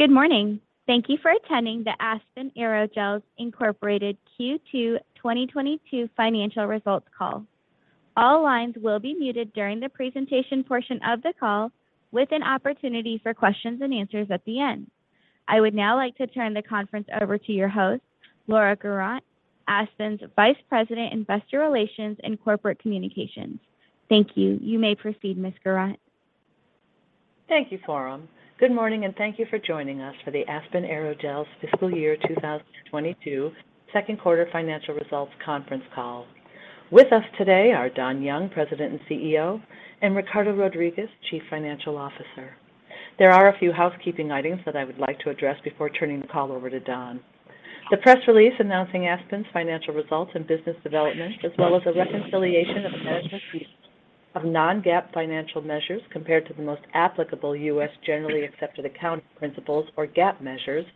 Good morning. Thank you for attending the Aspen Aerogels, Inc. Q2 2022 financial results call. All lines will be muted during the presentation portion of the call with an opportunity for questions and answers at the end. I would now like to turn the conference over to your host, Laura Guerrant, Aspen's Vice President, Investor Relations and Corporate Communications. Thank you. You may proceed, Ms. Guerrant. Thank you, Forum. Good morning, and thank you for joining us for the Aspen Aerogels fiscal year 2022 second quarter financial results conference call. With us today are Don Young, President and CEO, and Ricardo Rodriguez, Chief Financial Officer. There are a few housekeeping items that I would like to address before turning the call over to Don. The press release announcing Aspen's financial results and business development, as well as a reconciliation of management's use of non-GAAP financial measures compared to the most applicable U.S. generally accepted accounting principles or GAAP measures,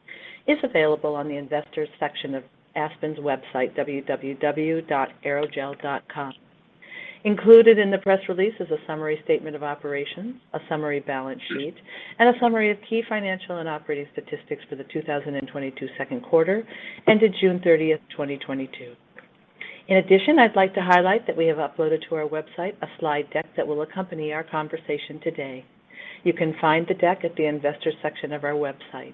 is available on the Investors section of Aspen's website, www.aerogel.com. Included in the press release is a summary statement of operations, a summary balance sheet, and a summary of key financial and operating statistics for the 2022 second quarter ended June 30, 2022. In addition, I'd like to highlight that we have uploaded to our website a slide deck that will accompany our conversation today. You can find the deck at the investors section of our website.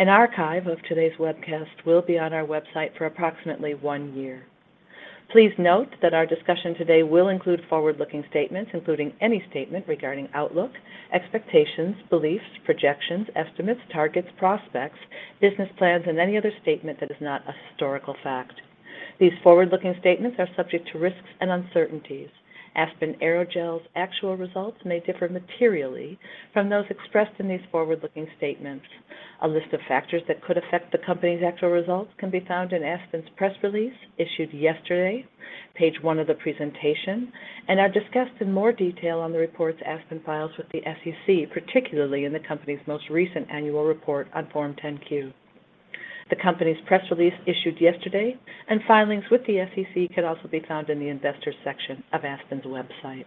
An archive of today's webcast will be on our website for approximately one year. Please note that our discussion today will include forward-looking statements, including any statement regarding outlook, expectations, beliefs, projections, estimates, targets, prospects, business plans, and any other statement that is not historical fact. These forward-looking statements are subject to risks and uncertainties. Aspen Aerogels's actual results may differ materially from those expressed in these forward-looking statements. A list of factors that could affect the Company's actual results can be found in Aspen's press release issued yesterday, page 1 of the presentation, and are discussed in more detail on the reports Aspen files with the SEC, particularly in the Company's most recent annual report on Form 10-Q. The Company's press release issued yesterday and filings with the SEC can also be found in the Investors section of Aspen's website.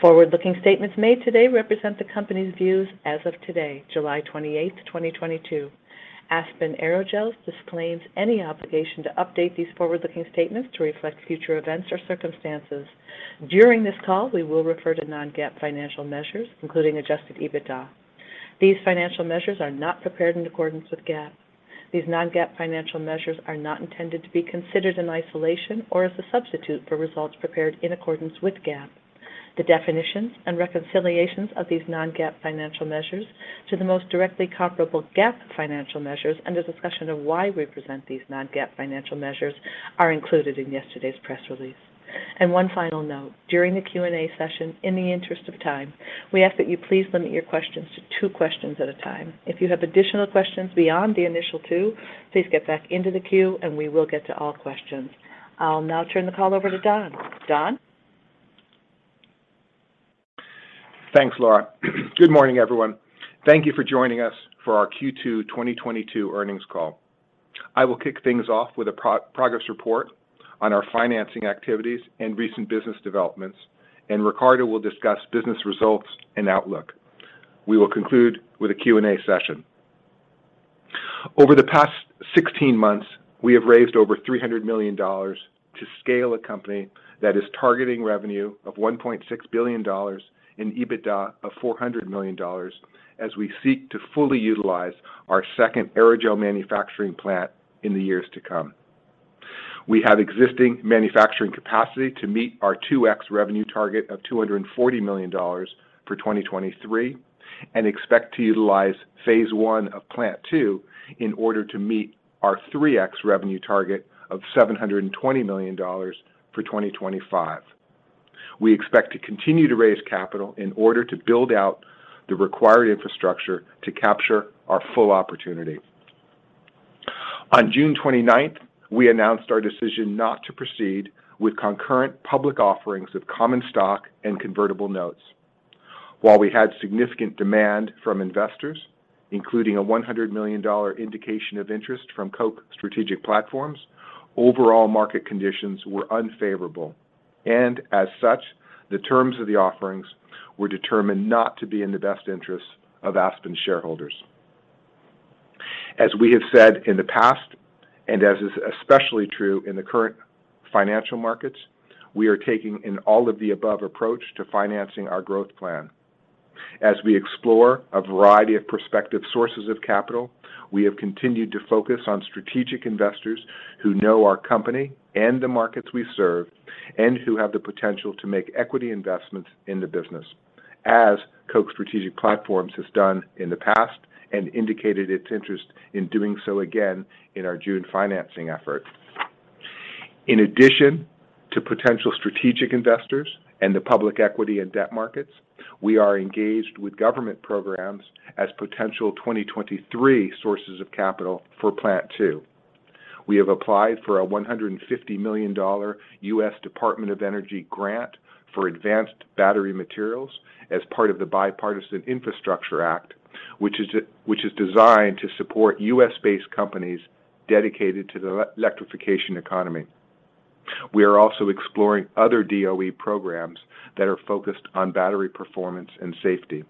Forward-looking statements made today represent the Company's views as of today, July 28th, 2022. Aspen Aerogels disclaims any obligation to update these forward-looking statements to reflect future events or circumstances. During this call, we will refer to non-GAAP financial measures, including adjusted EBITDA. These financial measures are not prepared in accordance with GAAP. These non-GAAP financial measures are not intended to be considered in isolation or as a substitute for results prepared in accordance with GAAP. The definitions and reconciliations of these non-GAAP financial measures to the most directly comparable GAAP financial measures and a discussion of why we present these non-GAAP financial measures are included in yesterday's press release. One final note. During the Q&A session, in the interest of time, we ask that you please limit your questions to two questions at a time. If you have additional questions beyond the initial two, please get back into the queue, and we will get to all questions. I'll now turn the call over to Don. Don? Thanks, Laura. Good morning, everyone. Thank you for joining us for our Q2 2022 earnings call. I will kick things off with a progress report on our financing activities and recent business developments, and Ricardo will discuss business results and outlook. We will conclude with a Q&A session. Over the past 16 months, we have raised over $300 million to scale a company that is targeting revenue of $1.6 billion and EBITDA of $400 million as we seek to fully utilize our second aerogel manufacturing plant in the years to come. We have existing manufacturing capacity to meet our 2x revenue target of $240 million for 2023 and expect to utilize phase I of plant two in order to meet our 3x revenue target of $720 million for 2025. We expect to continue to raise capital in order to build out the required infrastructure to capture our full opportunity. On June twenty-ninth, we announced our decision not to proceed with concurrent public offerings of common stock and convertible notes. While we had significant demand from investors, including a $100 million indication of interest from Koch Strategic Platforms, overall market conditions were unfavorable. As such, the terms of the offerings were determined not to be in the best interest of Aspen shareholders. As we have said in the past, and as is especially true in the current financial markets, we are taking an all-of-the-above approach to financing our growth plan. As we explore a variety of prospective sources of capital, we have continued to focus on strategic investors who know our company and the markets we serve and who have the potential to make equity investments in the business, as Koch Strategic Platforms has done in the past and indicated its interest in doing so again in our June financing effort. In addition to potential strategic investors and the public equity and debt markets, we are engaged with government programs as potential 2023 sources of capital for plant two. We have applied for a $150 million U.S. Department of Energy grant for advanced battery materials as part of the Bipartisan Infrastructure Act, which is designed to support U.S. based companies dedicated to the electrification economy. We are also exploring other DOE programs that are focused on battery performance and safety.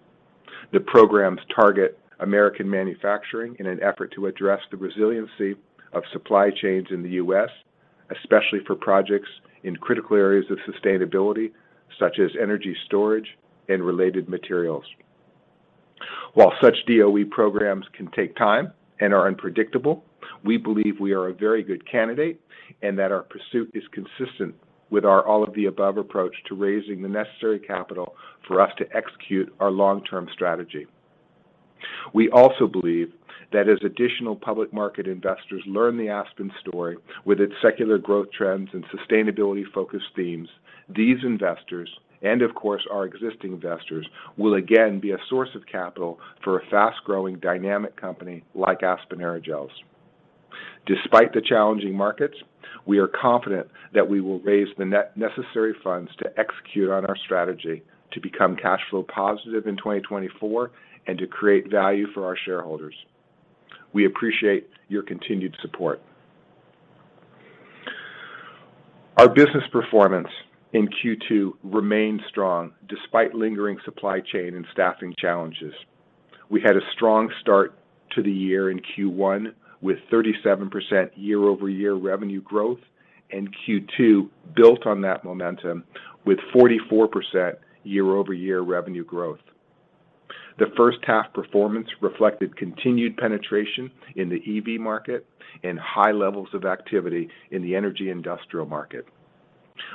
The programs target American manufacturing in an effort to address the resiliency of supply chains in the U.S., especially for projects in critical areas of sustainability, such as energy storage and related materials. While such DOE programs can take time and are unpredictable, we believe we are a very good candidate and that our pursuit is consistent with our all-of-the-above approach to raising the necessary capital for us to execute our long-term strategy. We also believe that as additional public market investors learn the Aspen story with its secular growth trends and sustainability focused themes, these investors, and of course our existing investors, will again be a source of capital for a fast-growing dynamic company like Aspen Aerogels. Despite the challenging markets, we are confident that we will raise the necessary funds to execute on our strategy to become cash flow positive in 2024 and to create value for our shareholders. We appreciate your continued support. Our business performance in Q2 remained strong despite lingering supply chain and staffing challenges. We had a strong start to the year in Q1 with 37% year-over-year revenue growth, and Q2 built on that momentum with 44% year-over-year revenue growth. The first half performance reflected continued penetration in the EV market and high levels of activity in the energy industrial market.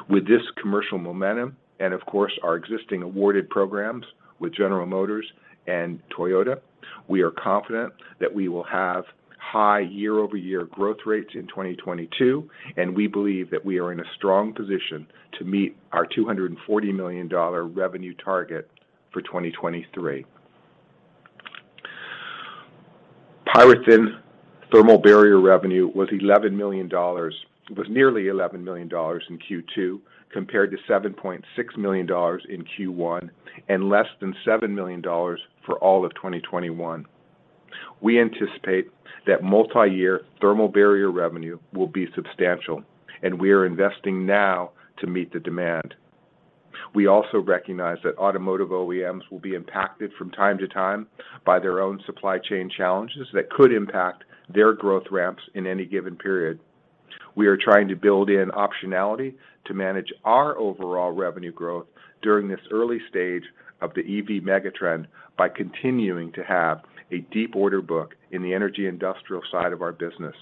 With this commercial momentum, and of course our existing awarded programs with General Motors and Toyota, we are confident that we will have high year-over-year growth rates in 2022, and we believe that we are in a strong position to meet our $240 million revenue target for 2023. PyroThin thermal barrier revenue was nearly $11 million in Q2, compared to $7.6 million in Q1 and less than $7 million for all of 2021. We anticipate that multiyear thermal barrier revenue will be substantial, and we are investing now to meet the demand. We also recognize that automotive OEMs will be impacted from time to time by their own supply chain challenges that could impact their growth ramps in any given period. We are trying to build in optionality to manage our overall revenue growth during this early stage of the EV megatrend by continuing to have a deep order book in the energy industrial side of our business.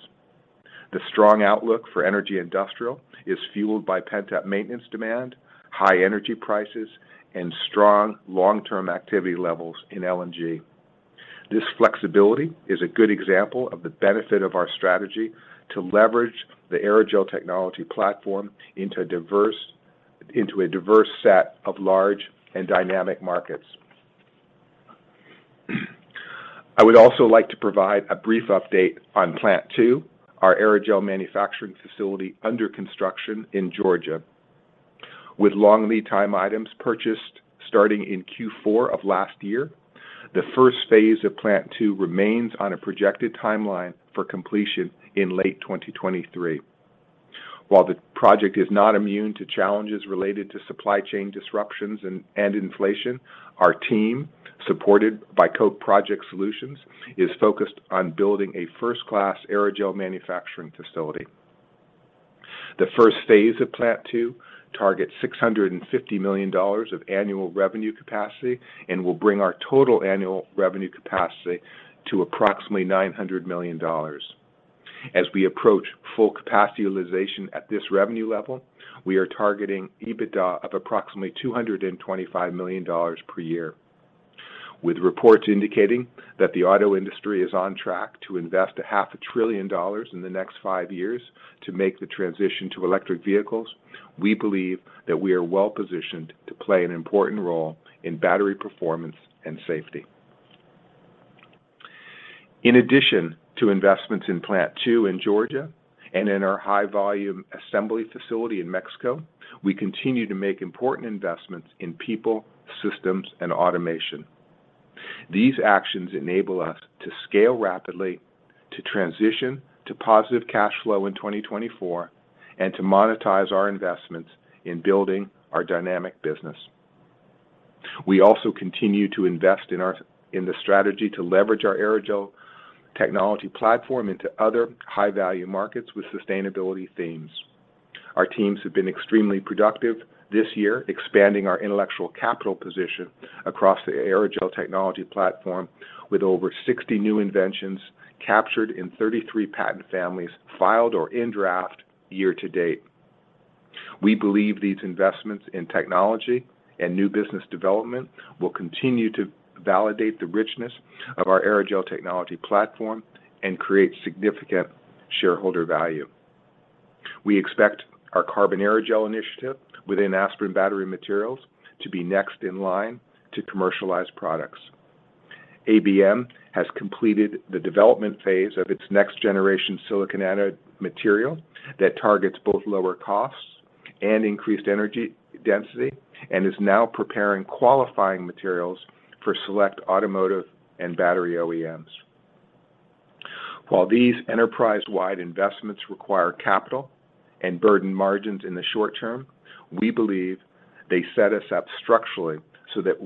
The strong outlook for energy industrial is fueled by pent-up maintenance demand, high energy prices, and strong long-term activity levels in LNG. This flexibility is a good example of the benefit of our strategy to leverage the aerogel technology platform into a diverse set of large and dynamic markets. I would also like to provide a brief update on Plant Two, our aerogel manufacturing facility under construction in Georgia. With long lead time items purchased starting in Q4 of last year, the phase I of Plant Two remains on a projected timeline for completion in late 2023. While the project is not immune to challenges related to supply chain disruptions and inflation, our team, supported by Koch Project Solutions, is focused on building a first-class aerogel manufacturing facility. The phase I of Plant Two targets $650 million of annual revenue capacity and will bring our total annual revenue capacity to approximately $900 million. As we approach full capacity utilization at this revenue level, we are targeting EBITDA of approximately $225 million per year. With reports indicating that the auto industry is on track to invest half a trillion dollars in the next 5 years to make the transition to electric vehicles, we believe that we are well positioned to play an important role in battery performance and safety. In addition to investments in Plant Two in Georgia and in our high volume assembly facility in Mexico, we continue to make important investments in people, systems and automation. These actions enable us to scale rapidly, to transition to positive cash flow in 2024, and to monetize our investments in building our dynamic business. We also continue to invest in the strategy to leverage our aerogel technology platform into other high value markets with sustainability themes. Our teams have been extremely productive this year, expanding our intellectual capital position across the aerogel technology platform with over 60 new inventions captured in 33 patent families filed or in draft year to date. We believe these investments in technology and new business development will continue to validate the richness of our aerogel technology platform and create significant shareholder value. We expect our carbon aerogel initiative within Aspen Battery Materials to be next in line to commercialize products. ABM has completed the development phase of its next generation silicon anode material that targets both lower costs and increased energy density and is now preparing qualifying materials for select automotive and battery OEMs. While these enterprise-wide investments require capital and burden margins in the short term, we believe they set us up structurally so that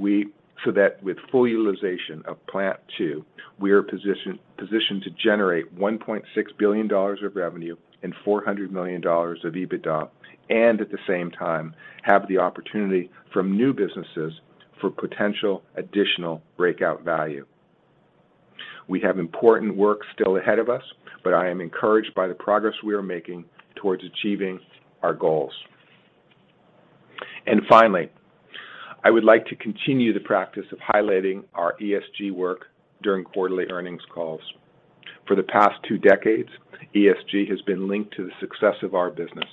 with full utilization of Plant Two, we are positioned to generate $1.6 billion of revenue and $400 million of EBITDA and at the same time have the opportunity from new businesses for potential additional breakout value. We have important work still ahead of us, but I am encouraged by the progress we are making towards achieving our goals. Finally, I would like to continue the practice of highlighting our ESG work during quarterly earnings calls. For the past two decades, ESG has been linked to the success of our business.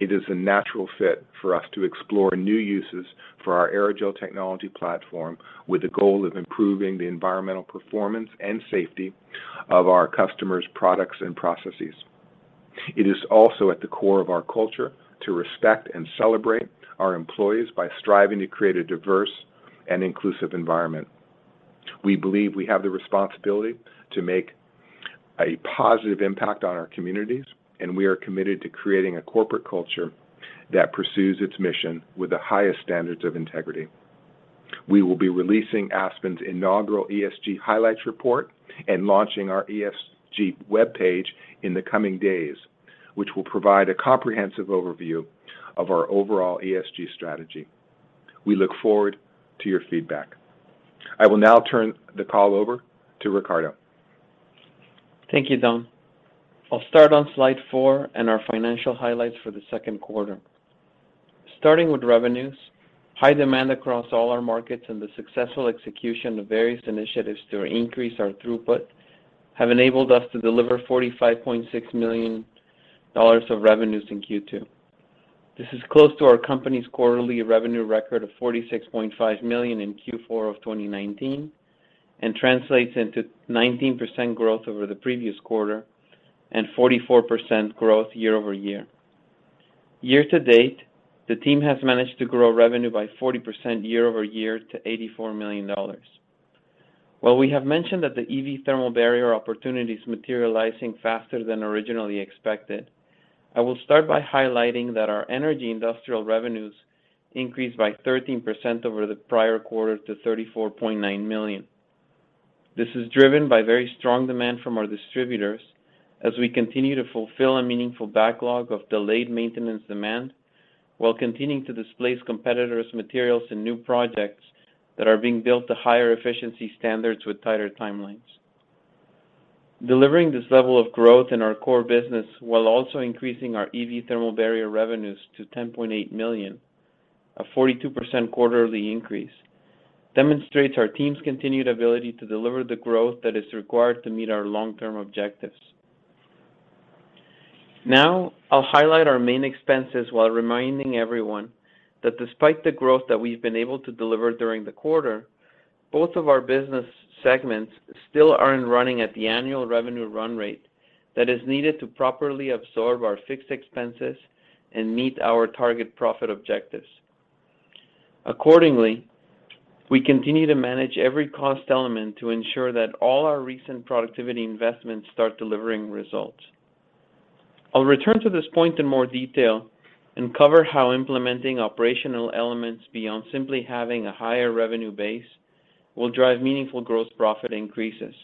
It is a natural fit for us to explore new uses for our aerogel technology platform with the goal of improving the environmental performance and safety of our customers' products and processes. It is also at the core of our culture to respect and celebrate our employees by striving to create a diverse and inclusive environment. We believe we have the responsibility to make a positive impact on our communities, and we are committed to creating a corporate culture that pursues its mission with the highest standards of integrity. We will be releasing Aspen's inaugural ESG highlights report and launching our ESG webpage in the coming days, which will provide a comprehensive overview of our overall ESG strategy. We look forward to your feedback. I will now turn the call over to Ricardo. Thank you, Don. I'll start on slide four and our financial highlights for the second quarter. Starting with revenues, high demand across all our markets and the successful execution of various initiatives to increase our throughput have enabled us to deliver $45.6 million of revenues in Q2. This is close to our company's quarterly revenue record of $46.5 million in Q4 of 2019 and translates into 19% growth over the previous quarter and 44% growth year-over-year. Year to date, the team has managed to grow revenue by 40% year-over-year to $84 million. While we have mentioned that the EV thermal barrier opportunity is materializing faster than originally expected, I will start by highlighting that our energy industrial revenues increased by 13% over the prior quarter to $34.9 million. This is driven by very strong demand from our distributors as we continue to fulfill a meaningful backlog of delayed maintenance demand while continuing to displace competitors' materials in new projects that are being built to higher efficiency standards with tighter timelines. Delivering this level of growth in our core business while also increasing our EV thermal barrier revenues to $10.8 million, a 42% quarterly increase, demonstrates our team's continued ability to deliver the growth that is required to meet our long-term objectives. Now I'll highlight our main expenses while reminding everyone that despite the growth that we've been able to deliver during the quarter, both of our business segments still aren't running at the annual revenue run rate that is needed to properly absorb our fixed expenses and meet our target profit objectives. Accordingly, we continue to manage every cost element to ensure that all our recent productivity investments start delivering results. I'll return to this point in more detail and cover how implementing operational elements beyond simply having a higher revenue base will drive meaningful gross profit increases.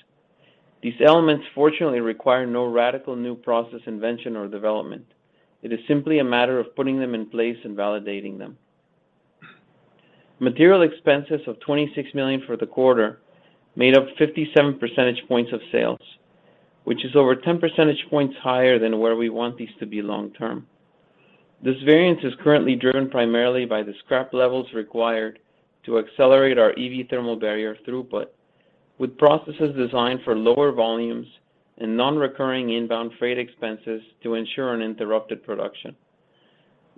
These elements fortunately require no radical new process invention or development. It is simply a matter of putting them in place and validating them. Material expenses of $26 million for the quarter made up 57 percentage points of sales, which is over 10 percentage points higher than where we want these to be long term. This variance is currently driven primarily by the scrap levels required to accelerate our EV thermal barrier throughput with processes designed for lower volumes and non-recurring inbound freight expenses to ensure uninterrupted production.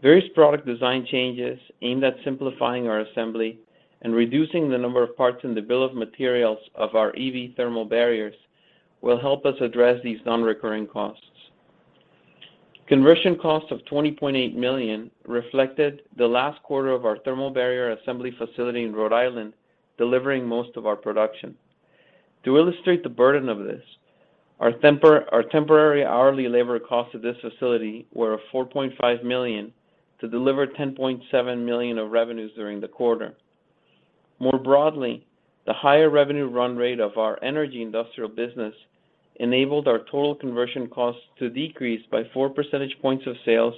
Various product design changes aimed at simplifying our assembly and reducing the number of parts in the bill of materials of our EV thermal barriers will help us address these non-recurring costs. Conversion costs of $20.8 million reflected the last quarter of our thermal barrier assembly facility in Rhode Island delivering most of our production. To illustrate the burden of this, our temporary hourly labor costs of this facility were $4.5 million to deliver $10.7 million of revenues during the quarter. More broadly, the higher revenue run rate of our energy industrial business enabled our total conversion costs to decrease by 4 percentage points of sales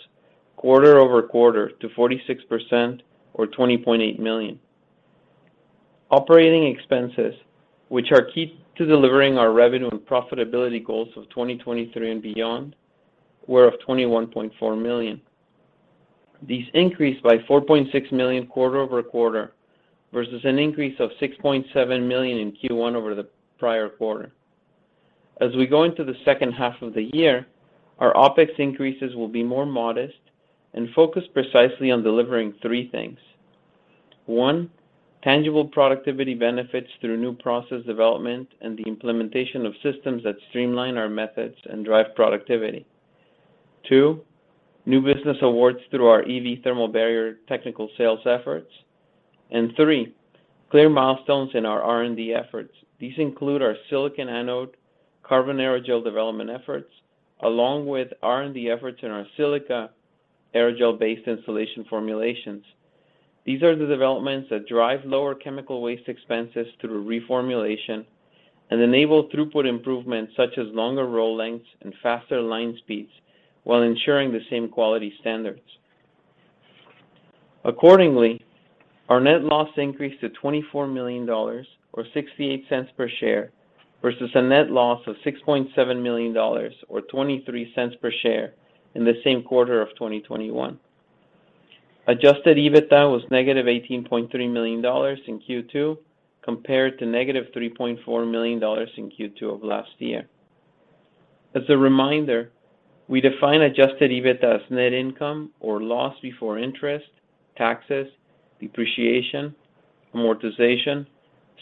quarter-over-quarter to 46% or $20.8 million. Operating expenses, which are key to delivering our revenue and profitability goals of 2023 and beyond, were $21.4 million. These increased by $4.6 million quarter-over-quarter versus an increase of $6.7 million in Q1 over the prior quarter. As we go into the second half of the year, our OpEx increases will be more modest and focused precisely on delivering three things. One, tangible productivity benefits through new process development and the implementation of systems that streamline our methods and drive productivity. Two, new business awards through our EV thermal barrier technical sales efforts. And three, clear milestones in our R&D efforts. These include our silicon anode carbon aerogel development efforts, along with R&D efforts in our silica aerogel-based insulation formulations. These are the developments that drive lower chemical waste expenses through reformulation and enable throughput improvements such as longer roll lengths and faster line speeds while ensuring the same quality standards. Accordingly, our net loss increased to $24 million or 68 cents per share, versus a net loss of $6.7 million or 23 cents per share in the same quarter of 2021. Adjusted EBITDA was negative $18.3 million in Q2 compared to negative $3.4 million in Q2 of last year. As a reminder, we define adjusted EBITDA as net income or loss before interest, taxes, depreciation, amortization,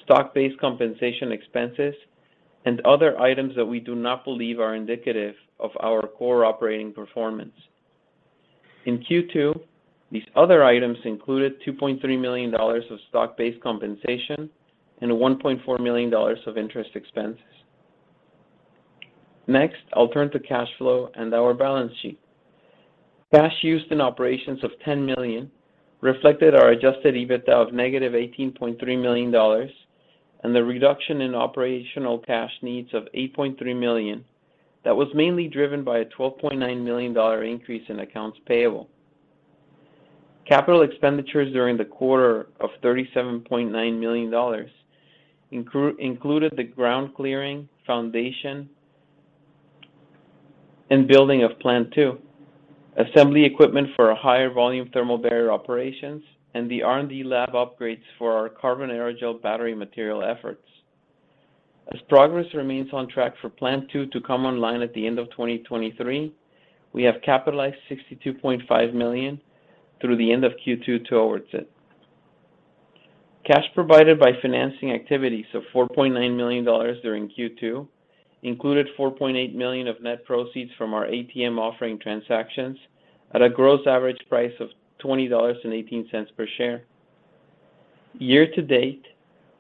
stock-based compensation expenses, and other items that we do not believe are indicative of our core operating performance. In Q2, these other items included $2.3 million of stock-based compensation and $1.4 million of interest expenses. Next, I'll turn to cash flow and our balance sheet. Cash used in operations of $10 million reflected our adjusted EBITDA of -$18.3 million and the reduction in operational cash needs of $8.3 million that was mainly driven by a $12.9 million increase in accounts payable. Capital expenditures during the quarter of $37.9 million included the ground clearing, foundation, and building of Plant 2, assembly equipment for higher volume thermal barrier operations, and the R&D lab upgrades for our carbon aerogel battery material efforts. As progress remains on track for Plant 2 to come online at the end of 2023, we have capitalized $62.5 million through the end of Q2 towards it. Cash provided by financing activities of $4.9 million during Q2 included $4.8 million of net proceeds from our ATM offering transactions at a gross average price of $20.18 per share. Year to date,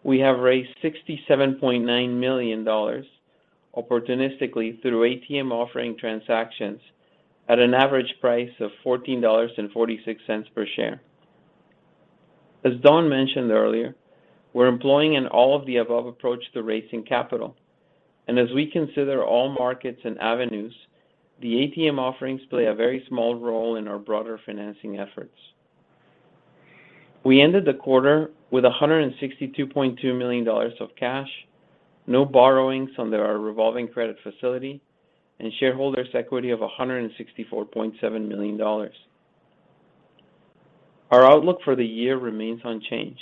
we have raised $67.9 million opportunistically through ATM offering transactions at an average price of $14.46 per share. As Don mentioned earlier, we're employing an all-of-the-above approach to raising capital, and as we consider all markets and avenues, the ATM offerings play a very small role in our broader financing efforts. We ended the quarter with $162.2 million of cash, no borrowings under our revolving credit facility, and shareholders equity of $164.7 million. Our outlook for the year remains unchanged.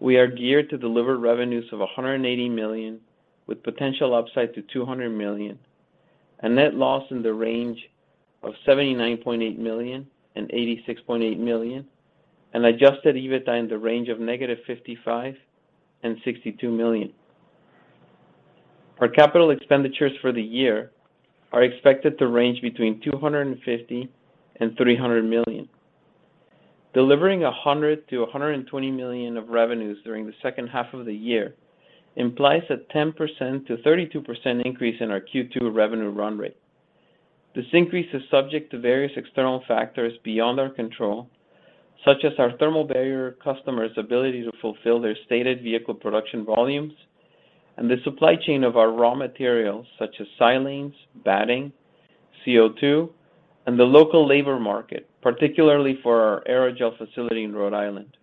We are geared to deliver revenues of $180 million, with potential upside to $200 million, a net loss in the range of $79.8 million-$86.8 million, and adjusted EBITDA in the range of -$55 million and -$62 million. Our capital expenditures for the year are expected to range between $250-$300 million. Delivering $100-$120 million of revenues during the second half of the year implies a 10%-32% increase in our Q2 revenue run rate. This increase is subject to various external factors beyond our control, such as our thermal barrier customers' ability to fulfill their stated vehicle production volumes and the supply chain of our raw materials such as silanes, batting, CO2, and the local labor market, particularly for our aerogel facility in Rhode Island.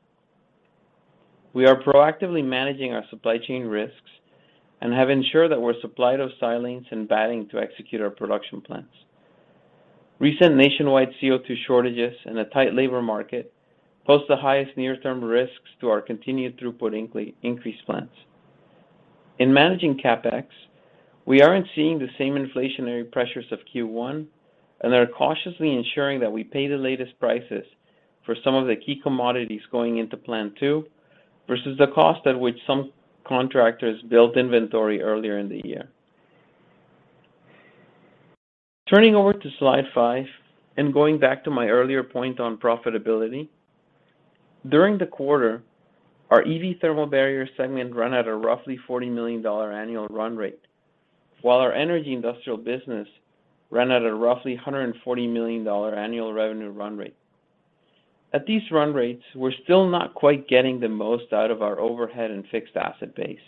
We are proactively managing our supply chain risks and have ensured that we're supplied of silanes and batting to execute our production plans. Recent nationwide CO2 shortages and a tight labor market pose the highest near-term risks to our continued throughput increase plans. In managing CapEx, we aren't seeing the same inflationary pressures of Q1 and are cautiously ensuring that we pay the latest prices for some of the key commodities going into Plant 2 versus the cost at which some contractors built inventory earlier in the year. Turning over to slide 5 and going back to my earlier point on profitability, during the quarter, our EV thermal barrier segment ran at a roughly $40 million annual run rate, while our energy industrial business ran at a roughly $140 million annual revenue run rate. At these run rates, we're still not quite getting the most out of our overhead and fixed asset base.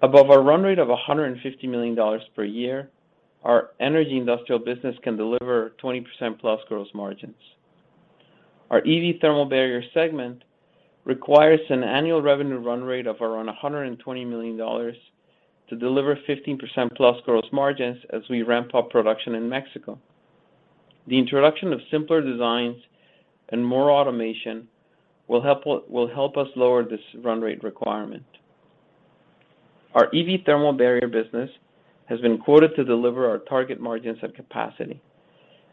Above our run rate of $150 million per year, our energy industrial business can deliver 20%+ gross margins. Our EV thermal barrier segment requires an annual revenue run rate of around $120 million to deliver 15%+ gross margins as we ramp up production in Mexico. The introduction of simpler designs and more automation will help us lower this run rate requirement. Our EV thermal barrier business has been quoted to deliver our target margins at capacity,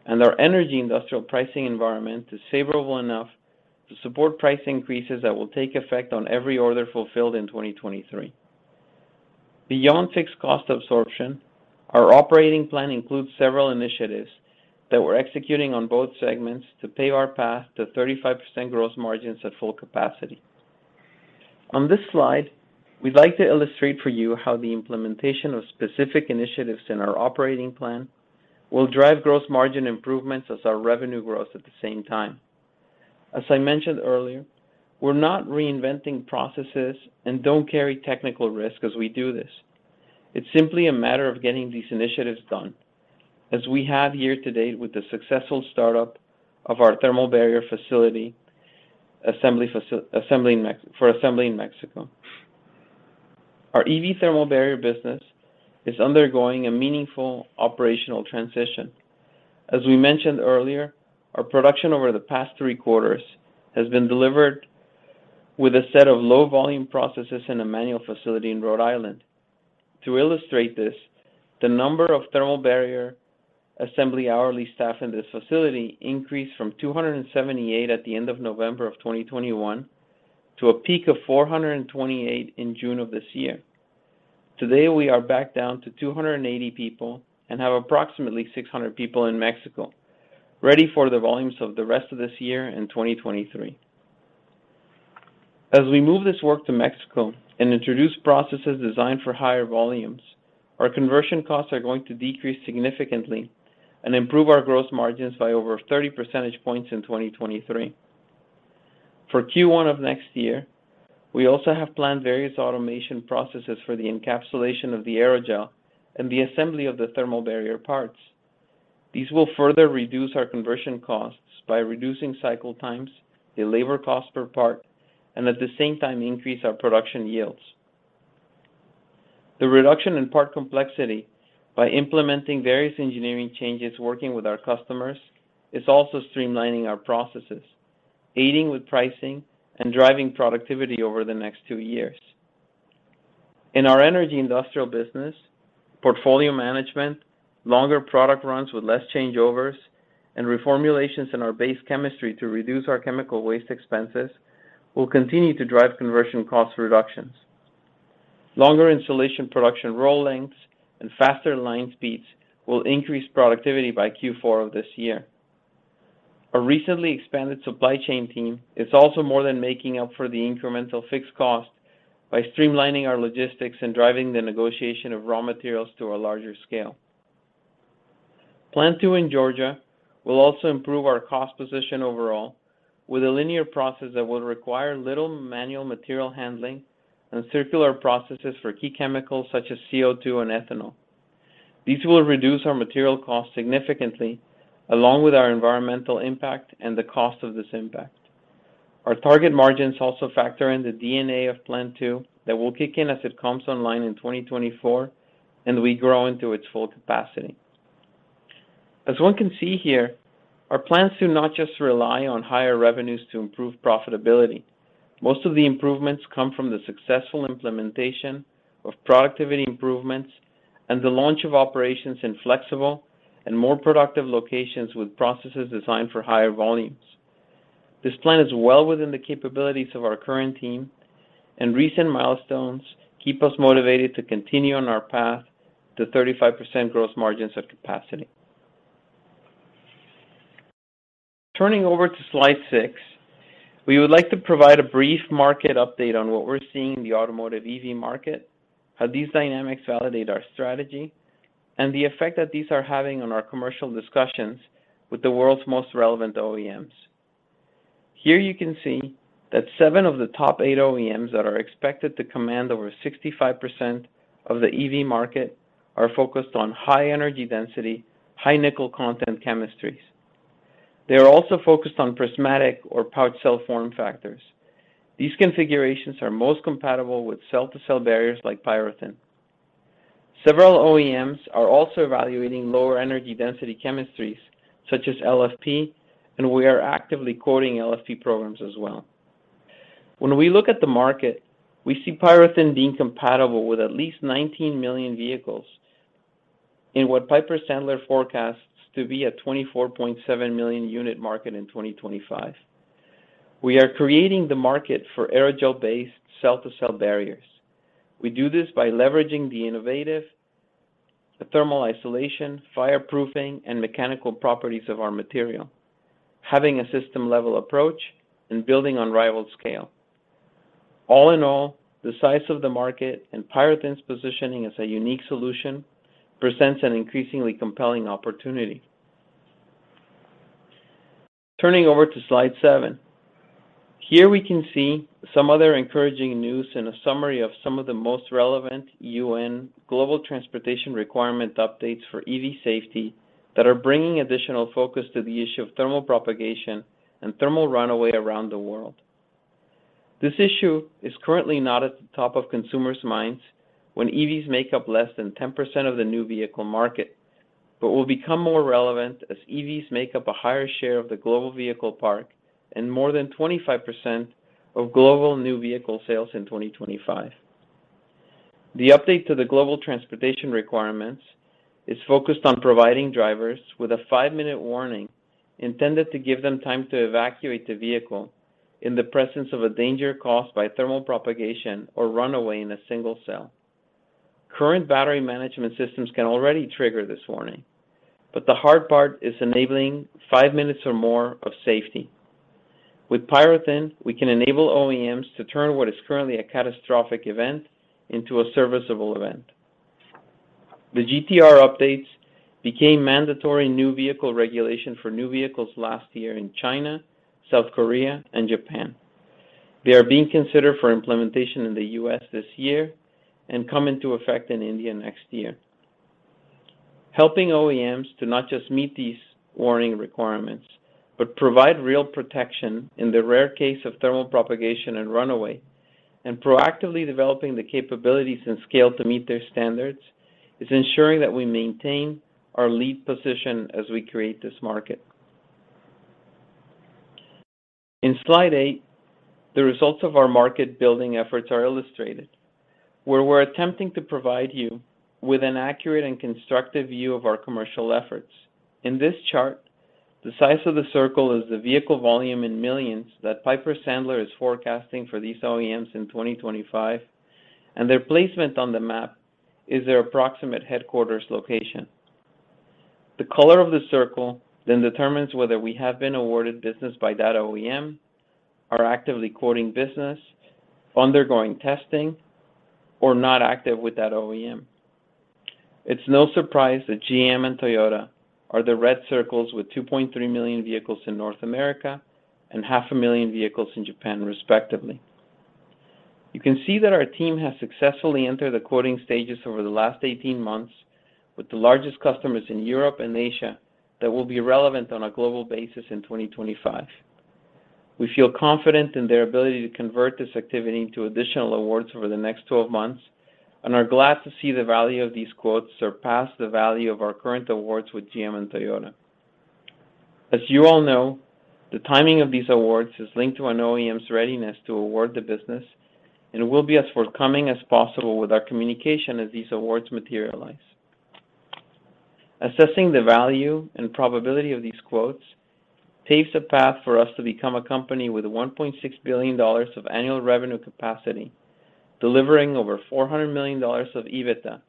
and our energy industrial pricing environment is favorable enough to support price increases that will take effect on every order fulfilled in 2023. Beyond fixed cost absorption, our operating plan includes several initiatives that we're executing on both segments to pave our path to 35% gross margins at full capacity. On this slide, we'd like to illustrate for you how the implementation of specific initiatives in our operating plan will drive gross margin improvements as our revenue grows at the same time. As I mentioned earlier, we're not reinventing processes and don't carry technical risk as we do this. It's simply a matter of getting these initiatives done, as we have here today with the successful startup of our thermal barrier assembly facility in Mexico. Our EV thermal barrier business is undergoing a meaningful operational transition. As we mentioned earlier, our production over the past three quarters has been delivered with a set of low volume processes in a manual facility in Rhode Island. To illustrate this, the number of thermal barrier assembly hourly staff in this facility increased from 278 at the end of November of 2021 to a peak of 428 in June of this year. Today, we are back down to 280 people and have approximately 600 people in Mexico ready for the volumes of the rest of this year and 2023. As we move this work to Mexico and introduce processes designed for higher volumes, our conversion costs are going to decrease significantly and improve our gross margins by over 30 percentage points in 2023. For Q1 of next year, we also have planned various automation processes for the encapsulation of the aerogel and the assembly of the thermal barrier parts. These will further reduce our conversion costs by reducing cycle times, the labor cost per part, and at the same time, increase our production yields. The reduction in part complexity by implementing various engineering changes working with our customers is also streamlining our processes, aiding with pricing, and driving productivity over the next two years. In our energy industrial business, portfolio management, longer product runs with less changeovers, and reformulations in our base chemistry to reduce our chemical waste expenses will continue to drive conversion cost reductions. Longer insulation production roll lengths and faster line speeds will increase productivity by Q4 of this year. A recently expanded supply chain team is also more than making up for the incremental fixed cost by streamlining our logistics and driving the negotiation of raw materials to a larger scale. Plant 2 in Georgia will also improve our cost position overall with a linear process that will require little manual material handling and circular processes for key chemicals such as CO2 and ethanol. These will reduce our material costs significantly, along with our environmental impact and the cost of this impact. Our target margins also factor in the D&A of Plant 2 that will kick in as it comes online in 2024 and we grow into its full capacity. As one can see here, our plans do not just rely on higher revenues to improve profitability. Most of the improvements come from the successful implementation of productivity improvements and the launch of operations in flexible and more productive locations with processes designed for higher volumes. This plan is well within the capabilities of our current team, and recent milestones keep us motivated to continue on our path to 35% gross margins at capacity. Turning to slide six, we would like to provide a brief market update on what we're seeing in the automotive EV market, how these dynamics validate our strategy, and the effect that these are having on our commercial discussions with the world's most relevant OEMs. Here you can see that seven of the top eight OEMs that are expected to command over 65% of the EV market are focused on high energy density, high nickel content chemistries. They are also focused on prismatic or pouch cell form factors. These configurations are most compatible with cell-to-cell barriers like PyroThin. Several OEMs are also evaluating lower energy density chemistries, such as LFP, and we are actively quoting LFP programs as well. When we look at the market, we see PyroThin being compatible with at least 19 million vehicles in what Piper Sandler forecasts to be a 24.7 million unit market in 2025. We are creating the market for aerogel-based cell-to-cell barriers. We do this by leveraging the innovative thermal isolation, fireproofing, and mechanical properties of our material, having a system-level approach, and building unrivaled scale. All in all, the size of the market and PyroThin's positioning as a unique solution presents an increasingly compelling opportunity. Turning over to slide seven. Here we can see some other encouraging news and a summary of some of the most relevant UN global transportation requirement updates for EV safety that are bringing additional focus to the issue of thermal propagation and thermal runaway around the world. This issue is currently not at the top of consumers' minds when EVs make up less than 10% of the new vehicle market but will become more relevant as EVs make up a higher share of the global vehicle park and more than 25% of global new vehicle sales in 2025. The update to the global transportation requirements. It's focused on providing drivers with a five-minute warning intended to give them time to evacuate the vehicle in the presence of a danger caused by thermal propagation or runaway in a single cell. Current battery management systems can already trigger this warning, but the hard part is enabling 5 minutes or more of safety. With PyroThin, we can enable OEMs to turn what is currently a catastrophic event into a serviceable event. The GTR updates became mandatory new vehicle regulation for new vehicles last year in China, South Korea, and Japan. They are being considered for implementation in the U.S. this year and come into effect in India next year. Helping OEMs to not just meet these warning requirements, but provide real protection in the rare case of thermal propagation and runaway, and proactively developing the capabilities and scale to meet their standards is ensuring that we maintain our lead position as we create this market. In slide eight, the results of our market building efforts are illustrated, where we're attempting to provide you with an accurate and constructive view of our commercial efforts. In this chart, the size of the circle is the vehicle volume in millions that Piper Sandler is forecasting for these OEMs in 2025, and their placement on the map is their approximate headquarters location. The color of the circle then determines whether we have been awarded business by that OEM, are actively quoting business, undergoing testing, or not active with that OEM. It's no surprise that GM and Toyota are the red circles with 2.3 million vehicles in North America and 0.5 million vehicles in Japan, respectively. You can see that our team has successfully entered the quoting stages over the last 18 months with the largest customers in Europe and Asia that will be relevant on a global basis in 2025. We feel confident in their ability to convert this activity into additional awards over the next 12 months and are glad to see the value of these quotes surpass the value of our current awards with GM and Toyota. As you all know, the timing of these awards is linked to an OEM's readiness to award the business and will be as forthcoming as possible with our communication as these awards materialize. Assessing the value and probability of these quotes paves the path for us to become a company with $1.6 billion of annual revenue capacity, delivering over $400 million of EBITDA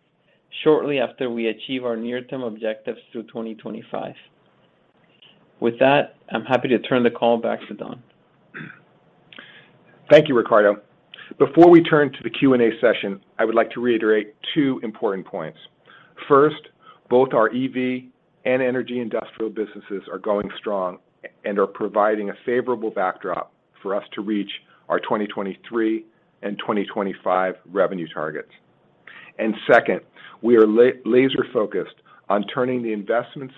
shortly after we achieve our near-term objectives through 2025. With that, I'm happy to turn the call back to Don. Thank you, Ricardo. Before we turn to the Q&A session, I would like to reiterate two important points. First, both our EV and energy industrial businesses are going strong and are providing a favorable backdrop for us to reach our 2023 and 2025 revenue targets. Second, we are laser focused on turning the investments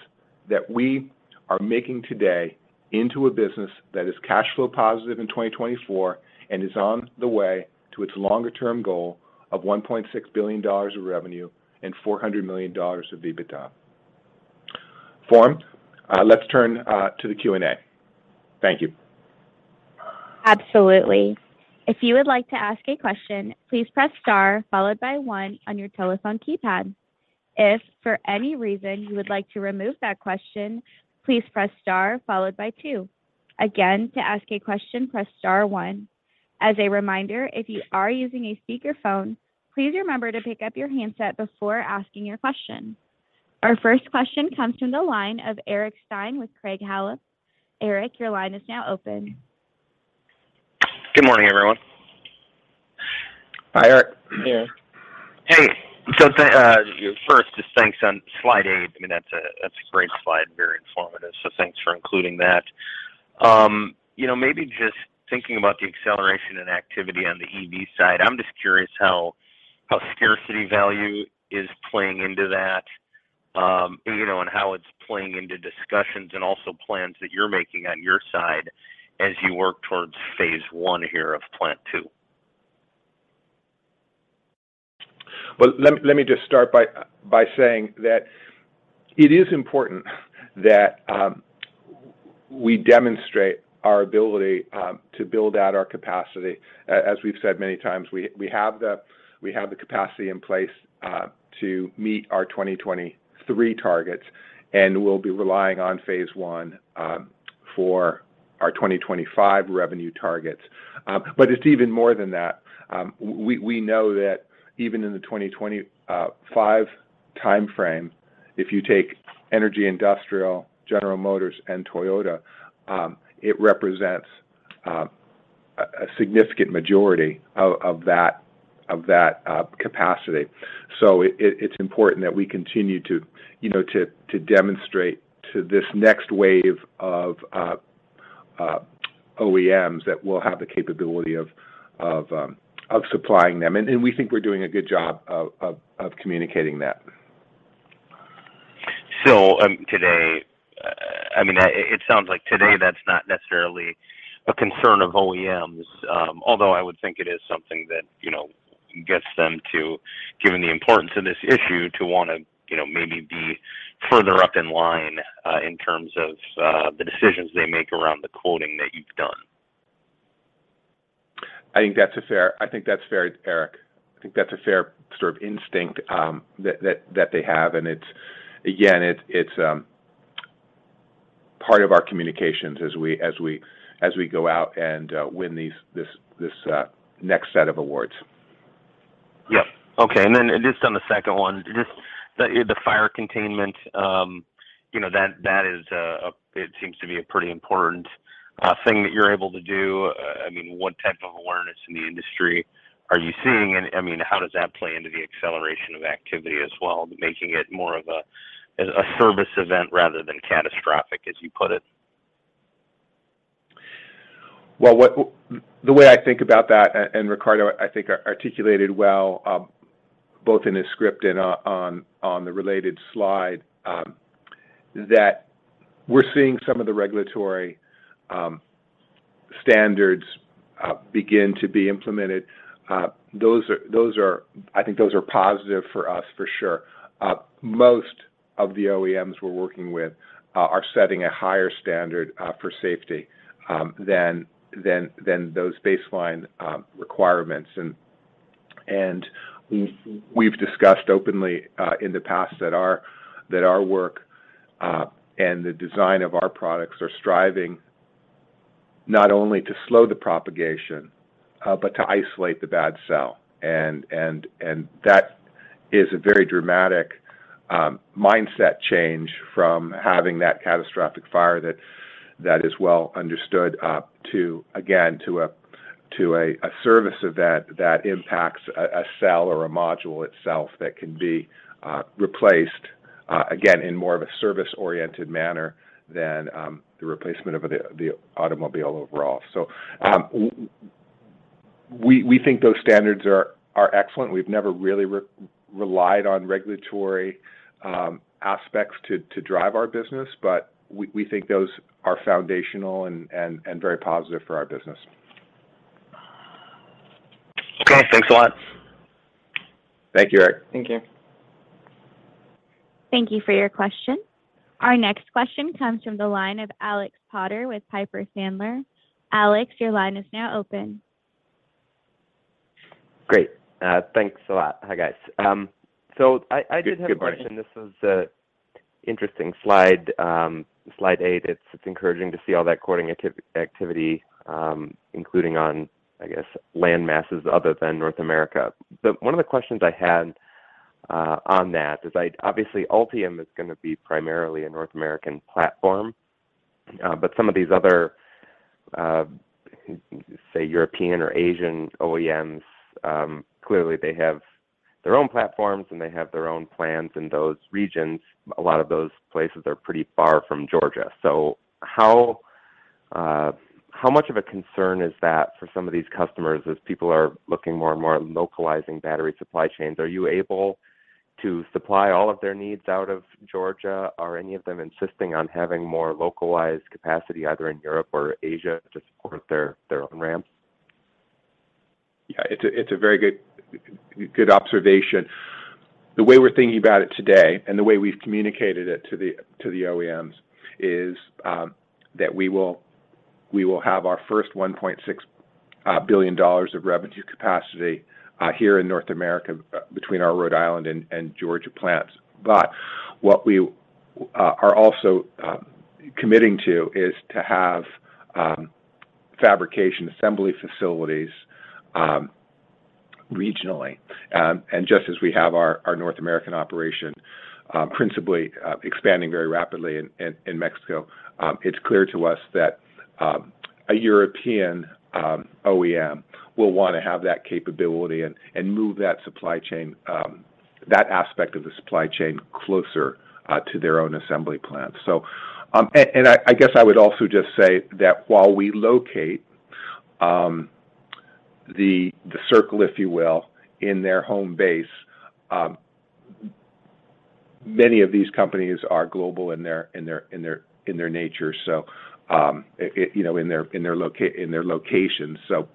that we are making today into a business that is cash flow positive in 2024 and is on the way to its longer term goal of $1.6 billion of revenue and $400 million of EBITDA. Florence, let's turn to the Q&A. Thank you. Absolutely. If you would like to ask a question, please press star followed by one on your telephone keypad. If for any reason you would like to remove that question, please press star followed by two. Again, to ask a question, press star one. As a reminder, if you are using a speakerphone, please remember to pick up your handset before asking your question. Our first question comes from the line of Eric Stine with Craig-Hallum. Eric, your line is now open. Good morning, everyone. Hi, Eric. Hey. Hey. First, just thanks on slide eight. I mean, that's a great slide, very informative, so thanks for including that. You know, maybe just thinking about the acceleration and activity on the EV side, I'm just curious how scarcity value is playing into that, you know, and how it's playing into discussions and also plans that you're making on your side as you work towards phase I here of plant two. Well, let me just start by saying that it is important that we demonstrate our ability to build out our capacity. As we've said many times, we have the capacity in place to meet our 2023 targets, and we'll be relying on phase I for our 2025 revenue targets. It's even more than that. We know that even in the 2025 timeframe, if you take energy, industrial, General Motors, and Toyota, it represents a significant majority of that capacity. It's important that we continue to you know demonstrate to this next wave of OEMs that we'll have the capability of supplying them. We think we're doing a good job of communicating that. Today, I mean, it sounds like today that's not necessarily a concern of OEMs, although I would think it is something that, you know, gets them to, given the importance of this issue, to wanna, you know, maybe be further up in line, in terms of, the decisions they make around the quoting that you've done. I think that's fair, Eric. I think that's a fair sort of instinct that they have, and it's again part of our communications as we go out and win this next set of awards. Yep. Okay. Then just on the second one, just the fire containment, you know, that is, it seems to be a pretty important thing that you're able to do. I mean, what type of awareness in the industry are you seeing? I mean, how does that play into the acceleration of activity as well, making it more of a service event rather than catastrophic, as you put it? Well, the way I think about that, and Ricardo, I think articulated well, both in his script and on the related slide, that we're seeing some of the regulatory standards begin to be implemented. I think those are positive for us for sure. Most of the OEMs we're working with are setting a higher standard for safety than those baseline requirements. We've discussed openly in the past that our work and the design of our products are striving not only to slow the propagation but to isolate the bad cell. That is a very dramatic mindset change from having that catastrophic fire that is well understood to a service event that impacts a cell or a module itself that can be replaced again in more of a service-oriented manner than the replacement of the automobile overall. We think those standards are excellent. We've never really relied on regulatory aspects to drive our business, but we think those are foundational and very positive for our business. Okay. Thanks a lot. Thank you, Eric. Thank you. Thank you for your question. Our next question comes from the line of Alex Potter with Piper Sandler. Alex, your line is now open. Great. Thanks a lot. Hi, guys. I did have a question. Good morning. This is an interesting slide 8. It's encouraging to see all that quoting activity, including on, I guess, land masses other than North America. The one of the questions I had on that is obviously, Ultium is gonna be primarily a North American platform, but some of these other, say, European or Asian OEMs, clearly they have their own platforms, and they have their own plans in those regions. A lot of those places are pretty far from Georgia. How much of a concern is that for some of these customers as people are looking more and more at localizing battery supply chains? Are you able to supply all of their needs out of Georgia? Are any of them insisting on having more localized capacity either in Europe or Asia to support their own ramps? Yeah. It's a very good observation. The way we're thinking about it today, and the way we've communicated it to the OEMs is that we will have our first $1.6 billion of revenue capacity here in North America between our Rhode Island and Georgia plants. What we are also committing to is to have fabrication assembly facilities regionally. Just as we have our North American operation principally expanding very rapidly in Mexico, it's clear to us that a European OEM will wanna have that capability and move that supply chain, that aspect of the supply chain closer to their own assembly plants. I guess I would also just say that while we locate the circle, if you will, in their home base, many of these companies are global in their nature. It you know in their locations, so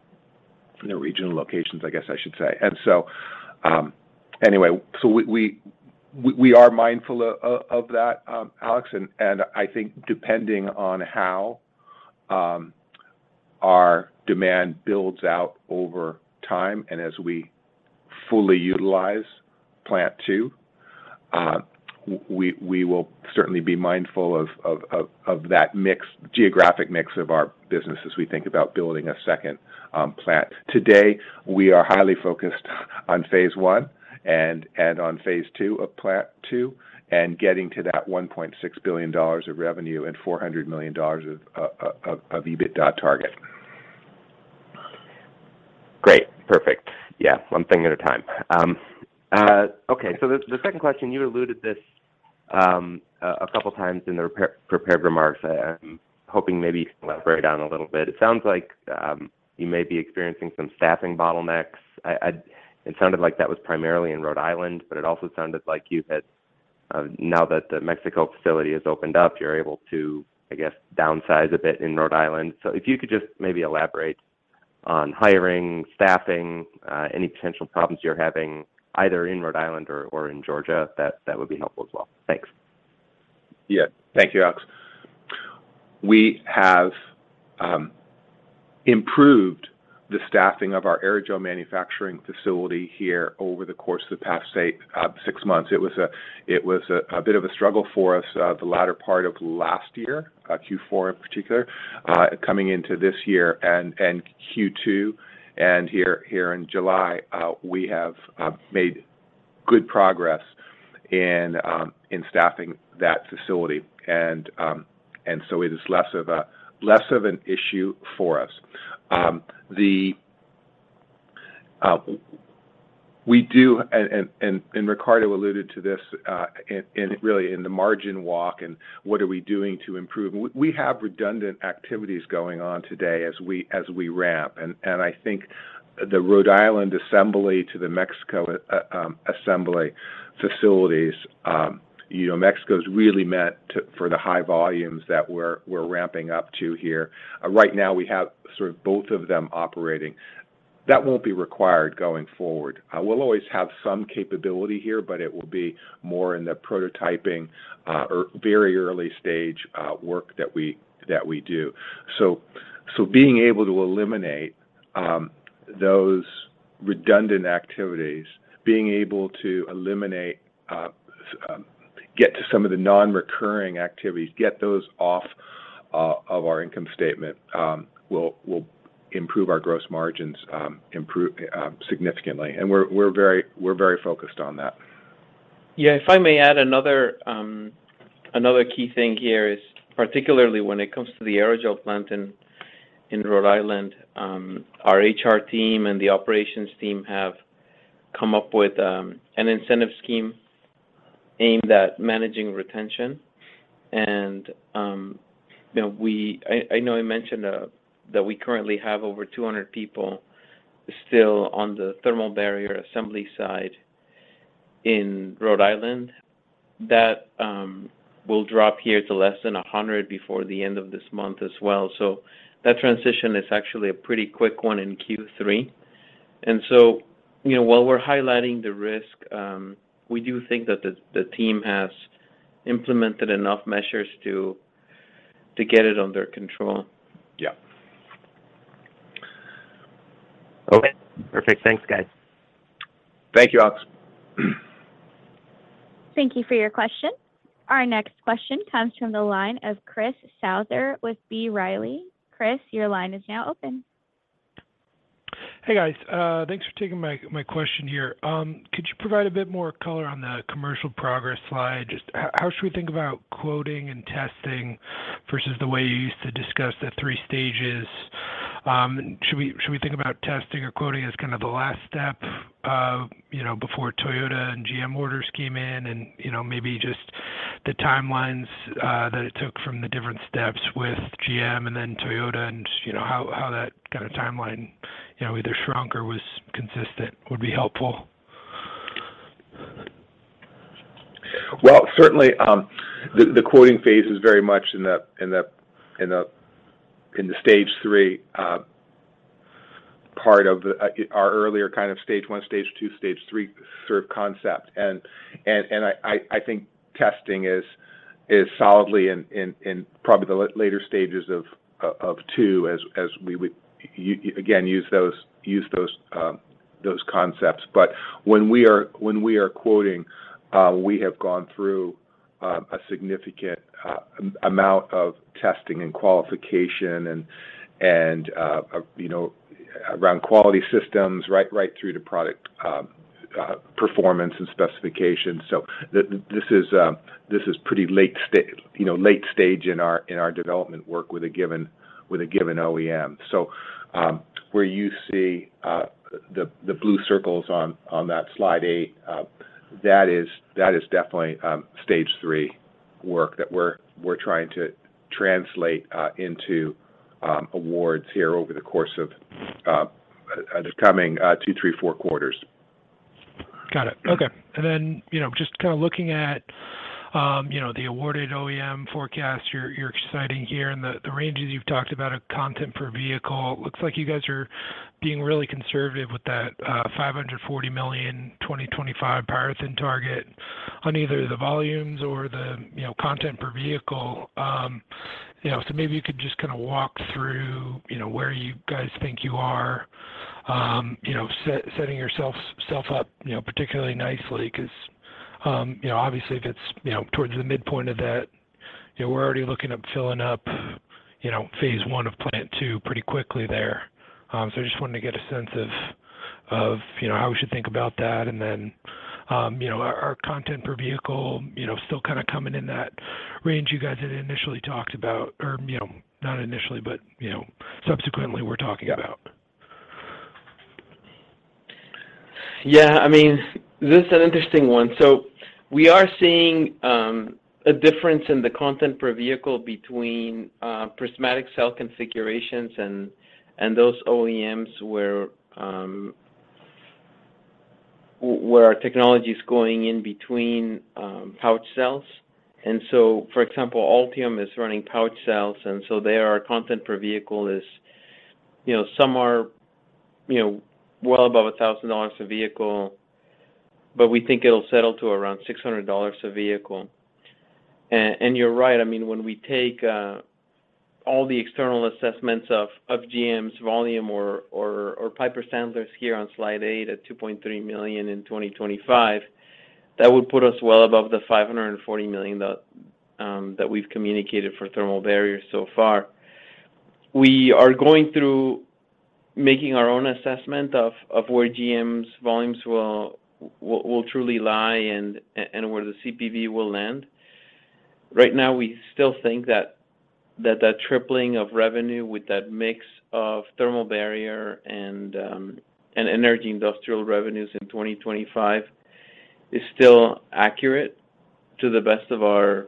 in their regional locations, I guess I should say. Anyway, we are mindful of that, Alex, and I think depending on how our demand builds out over time and as we fully utilize Plant Two, we will certainly be mindful of that mix, geographic mix of our business as we think about building a second plant. Today, we are highly focused on phase I and on phase II of Plant Two and getting to that $1.6 billion of revenue and $400 million of EBITDA target. Great. Perfect. Yeah. One thing at a time. Okay, the second question, you alluded to this a couple times in the prepared remarks. I'm hoping maybe you can elaborate on it a little bit. It sounds like you may be experiencing some staffing bottlenecks. It sounded like that was primarily in Rhode Island, but it also sounded like now that the Mexico facility has opened up, you're able to, I guess, downsize a bit in Rhode Island. If you could just maybe elaborate on hiring, staffing, any potential problems you're having either in Rhode Island or in Georgia, that would be helpful as well. Thanks. Yeah. Thank you, Alex. We have improved the staffing of our aerogel manufacturing facility here over the course of the past six months. It was a bit of a struggle for us, the latter part of last year, Q4 in particular, coming into this year and Q2. Here in July, we have made good progress in staffing that facility. It is less of an issue for us. Ricardo alluded to this in really in the margin walk, and what we are doing to improve. We have redundant activities going on today as we ramp. I think the Rhode Island assembly and the Mexico assembly facilities, you know, Mexico's really meant for the high volumes that we're ramping up to here. Right now, we have sort of both of them operating. That won't be required going forward. I will always have some capability here, but it will be more in the prototyping or very early stage work that we do. Being able to eliminate those redundant activities and get some of the non-recurring activities off of our income statement will improve our gross margins significantly. We're very focused on that. Yeah. If I may add another key thing here is particularly when it comes to the aerogel plant in Rhode Island, our HR team and the operations team have come up with an incentive scheme aimed at managing retention. You know, I know I mentioned that we currently have over 200 people still on the thermal barrier assembly side in Rhode Island. That will drop here to less than 100 before the end of this month as well. That transition is actually a pretty quick one in Q3. You know, while we're highlighting the risk, we do think that the team has implemented enough measures to get it under control. Yeah. Okay. Perfect. Thanks, guys. Thank you, Alex. Thank you for your question. Our next question comes from the line of Chris Souther with B. Riley. Chris, your line is now open. Hey, guys. Thanks for taking my question here. Could you provide a bit more color on the commercial progress slide? Just how should we think about quoting and testing versus the way you used to discuss the three stages? Should we think about testing or quoting as kinda the last step, you know, before Toyota and GM orders came in? You know, maybe just the timelines that it took from the different steps with GM and then Toyota and, you know, how that kinda timeline, you know, either shrunk or was consistent would be helpful. Well, certainly, the quoting phase is very much in the stage three part of our earlier kind of stage one, stage two, stage three sort of concept. I think testing is solidly in probably the later stages of two as we would again use those concepts. When we are quoting, we have gone through a significant amount of testing and qualification and you know, around quality systems right through to product performance and specifications. This is pretty late, you know, late stage in our development work with a given OEM. Where you see the blue circles on that slide 8, that is definitely stage three work that we're trying to translate into awards here over the course of the coming 2, 3, 4 quarters. Got it. Okay. You know, just kinda looking at the awarded OEM forecast you're citing here and the ranges you've talked about of content per vehicle, looks like you guys are being really conservative with that $540 million 2025 PyroThin target on either the volumes or the content per vehicle. You know, so maybe you could just kinda walk through where you guys think you are setting yourselves up particularly nicely because obviously if it's towards the midpoint of that we're already looking at filling up phase I of plant two pretty quickly there. I just wanted to get a sense of how we should think about that. You know, are content per vehicle still kinda coming in that range you guys had initially talked about or, you know, not initially, but, you know, subsequently were talking about? Yeah. I mean, this is an interesting one. We are seeing a difference in the content per vehicle between prismatic cell configurations and those OEMs where our technology is going in between pouch cells. For example, Ultium is running pouch cells, and so their content per vehicle is, you know, some are, you know, well above $1,000 a vehicle. We think it'll settle to around $600 a vehicle. You're right, I mean, when we take all the external assessments of GM's volume or Piper Sandler's here on slide eight at 2.3 million in 2025, that would put us well above the $540 million that we've communicated for thermal barriers so far. We are going through making our own assessment of where GM's volumes will truly lie and where the CPV will land. Right now, we still think that tripling of revenue with that mix of thermal barrier and energy industrial revenues in 2025 is still accurate to the best of our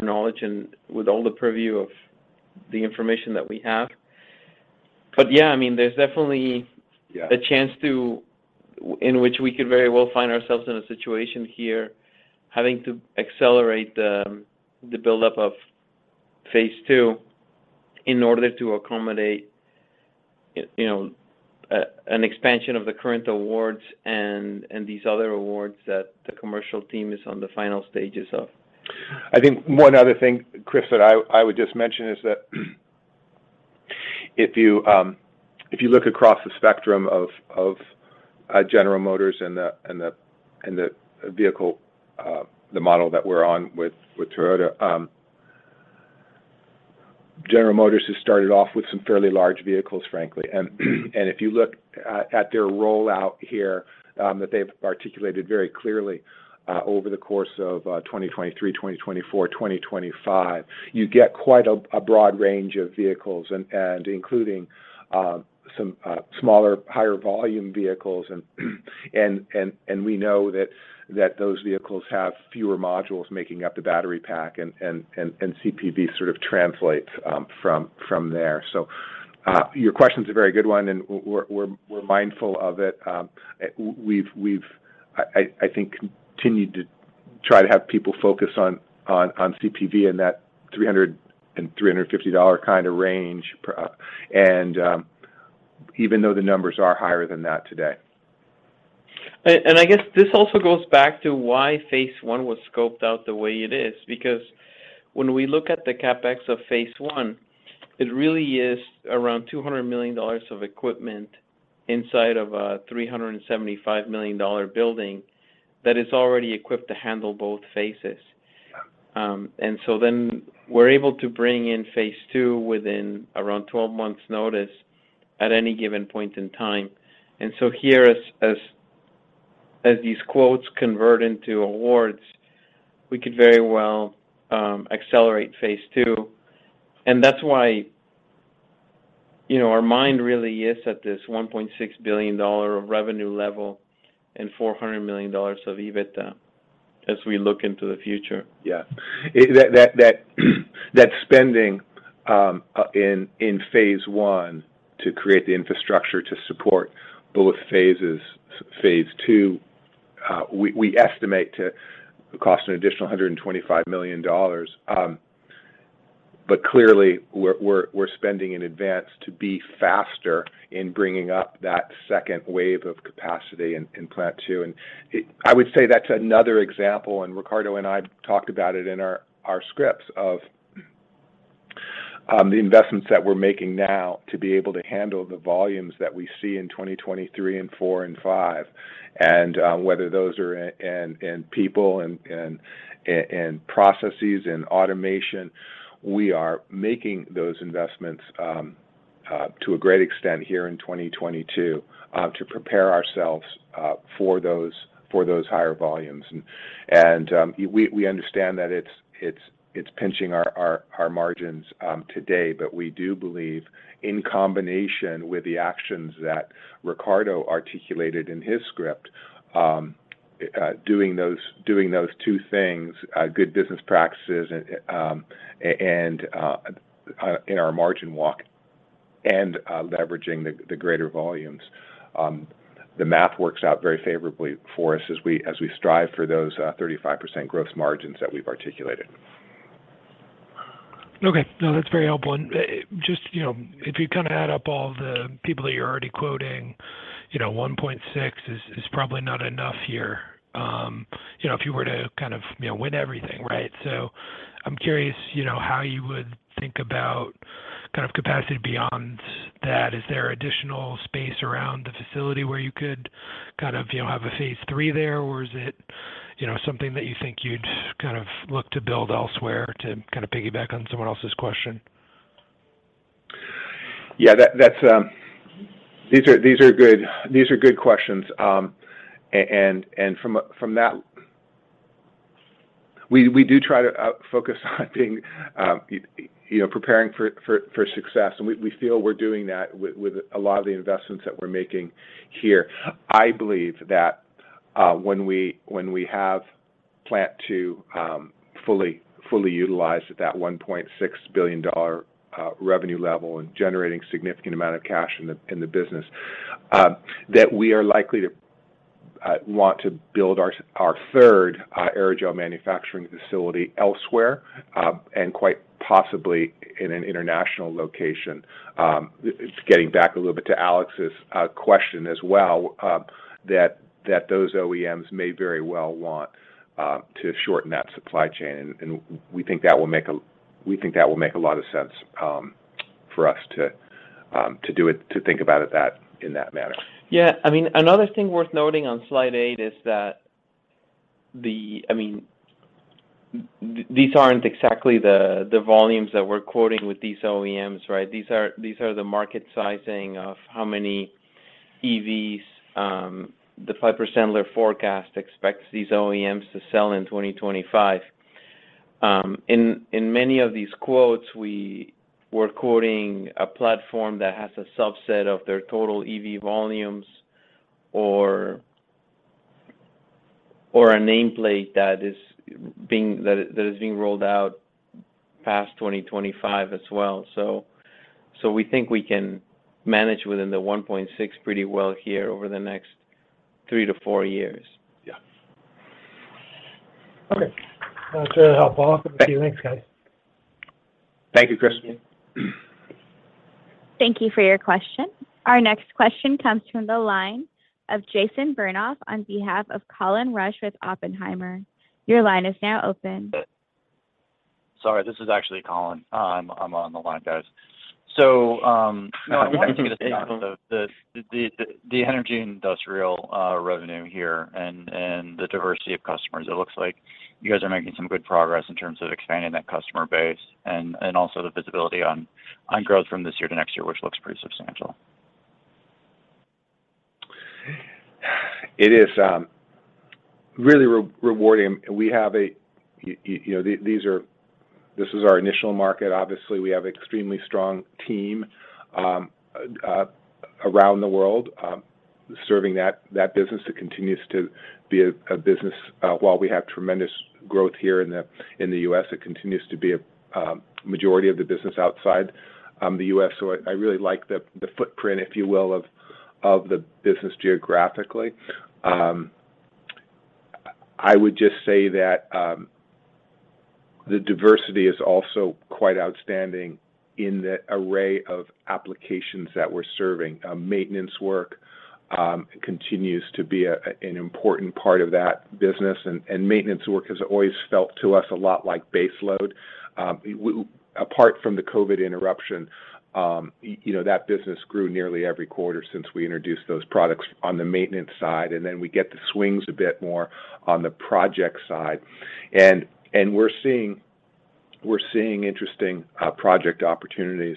knowledge and with all the purview of the information that we have. Yeah, I mean, there's definitely Yeah in which we could very well find ourselves in a situation here having to accelerate the buildup of phase II in order to accommodate, you know, an expansion of the current awards and these other awards that the commercial team is on the final stages of. I think one other thing, Chris, that I would just mention is that if you look across the spectrum of General Motors and the vehicle model that we're on with Toyota, General Motors has started off with some fairly large vehicles, frankly. If you look at their rollout here that they've articulated very clearly over the course of 2023, 2024, 2025, you get quite a broad range of vehicles and including some smaller, higher volume vehicles. We know that those vehicles have fewer modules making up the battery pack, and CPV sort of translates from there. Your question's a very good one, and we're mindful of it. We've, I think, continued to try to have people focus on CPV and that $300-$350 kind of range, even though the numbers are higher than that today. I guess this also goes back to why phase I was scoped out the way it is, because when we look at the CapEx of phase I, it really is around $200 million of equipment inside of a $375 million building that is already equipped to handle both phases. Yeah. We're able to bring in phase II within around 12 months' notice at any given point in time. Here as these quotes convert into awards, we could very well accelerate phase II, and that's why, you know, our mind really is at this $1.6 billion of revenue level and $400 million of EBITDA as we look into the future. Yeah. That spending in phase I to create the infrastructure to support both phases, phase II, we estimate to cost an additional $125 million. Clearly we're spending in advance to be faster in bringing up that second wave of capacity in plant two. I would say that's another example. Ricardo and I talked about it in our scripts of the investments that we're making now to be able to handle the volumes that we see in 2023 and 2024 and 2025, and whether those are in people and processes and automation, we are making those investments to a great extent here in 2022 to prepare ourselves for those higher volumes. We understand that it's pinching our margins today, but we do believe in combination with the actions that Ricardo articulated in his script, doing those two things, good business practices and in our margin walk and leveraging the greater volumes, the math works out very favorably for us as we strive for those 35% gross margins that we've articulated. Okay. No, that's very helpful. Just, you know, if you kind of add up all the people that you're already quoting, you know, 1.6 is probably not enough here, you know, if you were to kind of, you know, win everything, right? I'm curious, you know, how you would think about kind of capacity beyond that. Is there additional space around the facility where you could kind of, you know, have a phase III there, or is it, you know, something that you think you'd kind of look to build elsewhere to kind of piggyback on someone else's question? Yeah, that's. These are good questions. From that we do try to focus on being, you know, preparing for success, and we feel we're doing that with a lot of the investments that we're making here. I believe that when we have plant two fully utilized at that $1.6 billion revenue level and generating significant amount of cash in the business, that we are likely to want to build our third aerogel manufacturing facility elsewhere, and quite possibly in an international location. It's getting back a little bit to Alex's question as well, that those OEMs may very well want to shorten that supply chain. We think that will make a lot of sense for us to do it, to think about it in that manner. Yeah. I mean, another thing worth noting on slide 8 is that these aren't exactly the volumes that we're quoting with these OEMs, right? These are the market sizing of how many EVs the Piper Sandler forecast expects these OEMs to sell in 2025. In many of these quotes, we were quoting a platform that has a subset of their total EV volumes or a nameplate that is being rolled out past 2025 as well. We think we can manage within the 1.6 pretty well here over the next 3-4 years. Yeah. Okay. That's very helpful. Thank you. Thanks, guys. Thank you, Chris. Thank you for your question. Our next question comes from the line of Jason Bernoff on behalf of Colin Rusch with Oppenheimer. Your line is now open. Sorry, this is actually Colin. I'm on the line, guys. The energy and industrial revenue here and the diversity of customers, it looks like you guys are making some good progress in terms of expanding that customer base and also the visibility on growth from this year to next year, which looks pretty substantial. It is really rewarding. You know, this is our initial market. Obviously, we have an extremely strong team around the world serving that business. It continues to be a business while we have tremendous growth here in the U.S.. It continues to be a majority of the business outside the U.S.. I really like the footprint, if you will, of the business geographically. I would just say that the diversity is also quite outstanding in the array of applications that we're serving. Maintenance work continues to be an important part of that business, and maintenance work has always felt to us a lot like baseload. Apart from the COVID interruption, you know, that business grew nearly every quarter since we introduced those products on the maintenance side, and then we get the swings a bit more on the project side. We're seeing interesting project opportunities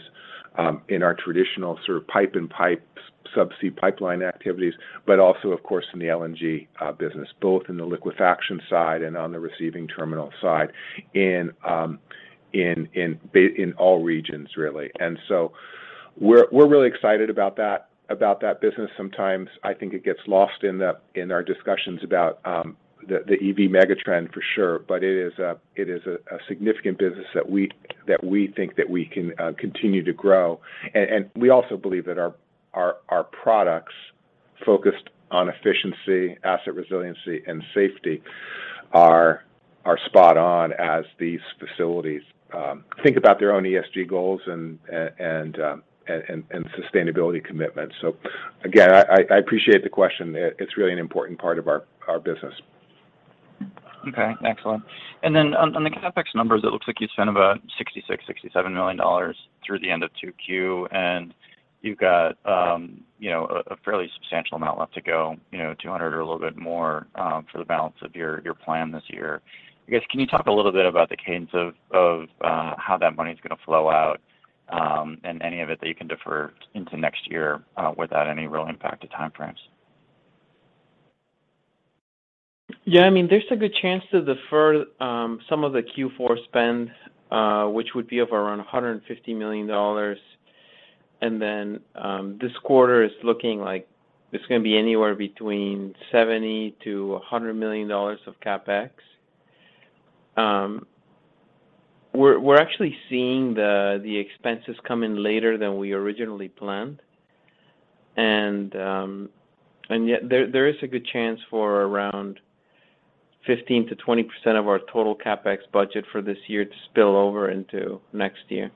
in our traditional sort of pipe and pipe subsea pipeline activities, but also, of course, in the LNG business, both in the liquefaction side and on the receiving terminal side in all regions, really. We're really excited about that business. Sometimes I think it gets lost in our discussions about the EV mega trend for sure, but it is a significant business that we think that we can continue to grow. We also believe that our products focused on efficiency, asset resiliency and safety are spot on as these facilities think about their own ESG goals and sustainability commitments. Again, I appreciate the question. It's really an important part of our business. Okay. Excellent. On the CapEx numbers, it looks like you spent about $66-$67 million through the end of 2Q, and you've got, you know, a fairly substantial amount left to go, you know, 200 or a little bit more, for the balance of your plan this year. I guess, can you talk a little bit about the cadence of how that money's gonna flow out, and any of it that you can defer into next year, without any real impact to timeframes? Yeah, I mean, there's a good chance to defer some of the Q4 spend, which would be of around $150 million. This quarter is looking like it's gonna be anywhere between $70-$100 million of CapEx. We're actually seeing the expenses come in later than we originally planned. Yet there is a good chance for around 15%-20% of our total CapEx budget for this year to spill over into next year.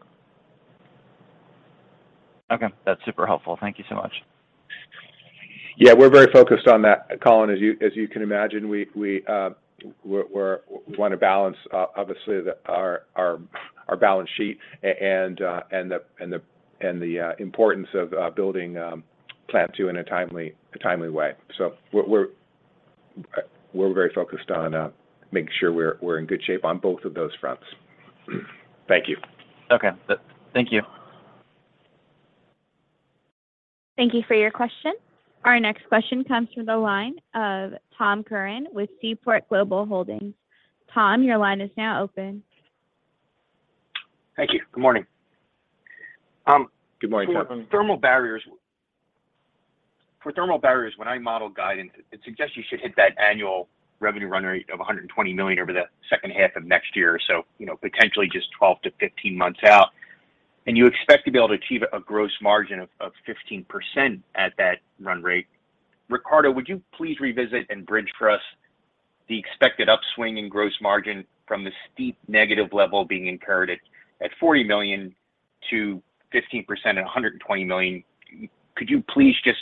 Okay. That's super helpful. Thank you so much. Yeah, we're very focused on that, Colin. As you can imagine, we want to balance obviously our balance sheet and the importance of building plant two in a timely way. We're very focused on making sure we're in good shape on both of those fronts. Thank you. Okay. Thank you. Thank you for your question. Our next question comes from the line of Tom Curran with Seaport Global Holdings. Tom, your line is now open. Thank you. Good morning. Good morning, Tom. For thermal barriers, when I model guidance, it suggests you should hit that annual revenue run rate of $120 million over the second half of next year or so, you know, potentially just 12-15 months out. You expect to be able to achieve a gross margin of 15% at that run rate. Ricardo, would you please revisit and bridge for us the expected upswing in gross margin from the steep negative level being incurred at $40 million to 15% at $120 million? Could you please just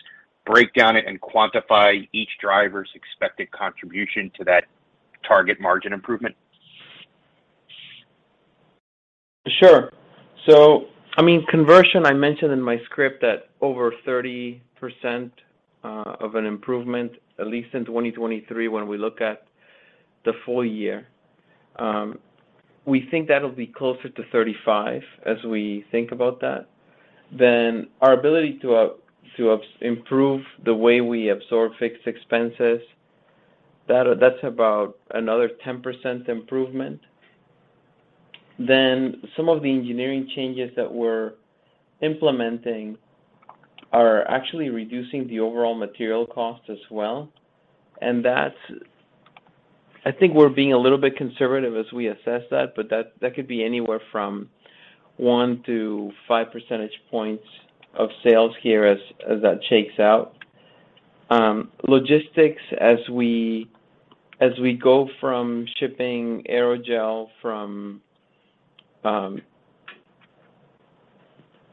break it down and quantify each driver's expected contribution to that target margin improvement? Sure. I mean, conversion, I mentioned in my script that over 30% of an improvement, at least in 2023 when we look at the full year. We think that'll be closer to 35 as we think about that. Our ability to improve the way we absorb fixed expenses, that's about another 10% improvement. Some of the engineering changes that we're implementing are actually reducing the overall material cost as well, and that's I think we're being a little bit conservative as we assess that, but that could be anywhere from 1-5 percentage points of sales here as that shakes out. Logistics, as we go from shipping aerogel from.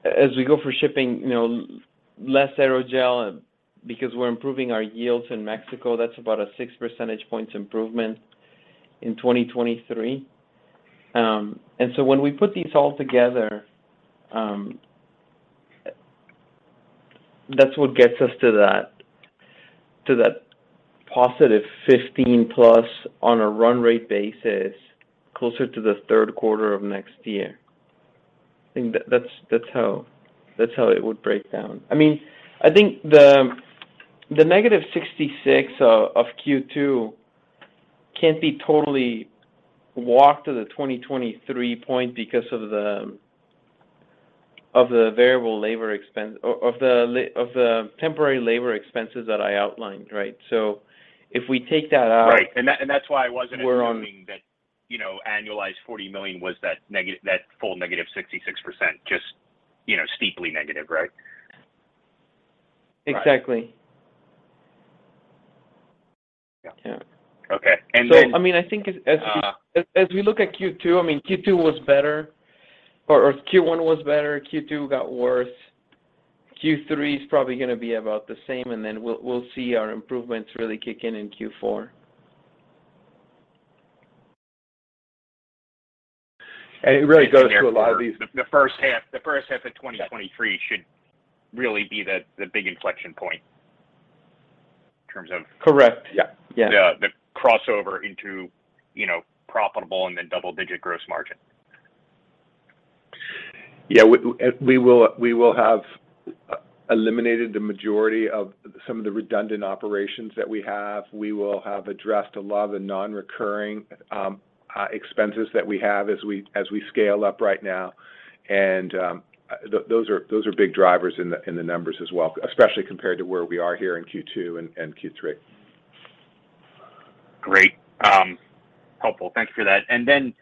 As we go for shipping, you know, less aerogel because we're improving our yields in Mexico, that's about a 6 percentage points improvement in 2023. When we put these all together, that's what gets us to that positive 15+ on a run rate basis closer to the third quarter of next year. I think that's how it would break down. I mean, I think the negative 66 of Q2 can't be totally walked to the 2023 point because of the variable labor expense of the temporary labor expenses that I outlined, right? If we take that out. Right. That's why I wasn't assuming that. We're on. You know, annualized $40 million was that full -66%, just, you know, steeply negative, right? Exactly. Right. Yeah. Okay. I mean, I think as we- Ah. As we look at Q2, I mean, Q2 was better. Q1 was better, Q2 got worse. Q3 is probably gonna be about the same, and then we'll see our improvements really kick in in Q4. It really goes to a lot of these- The first half of 2023 should really be the big inflection point in terms of Correct. Yeah. Yeah. The crossover into, you know, profitable and then double-digit gross margin. Yeah. We will have eliminated the majority of some of the redundant operations that we have. We will have addressed a lot of the non-recurring expenses that we have as we scale up right now, and those are big drivers in the numbers as well, especially compared to where we are here in Q2 and Q3. Great. Helpful. Thank you for that. Then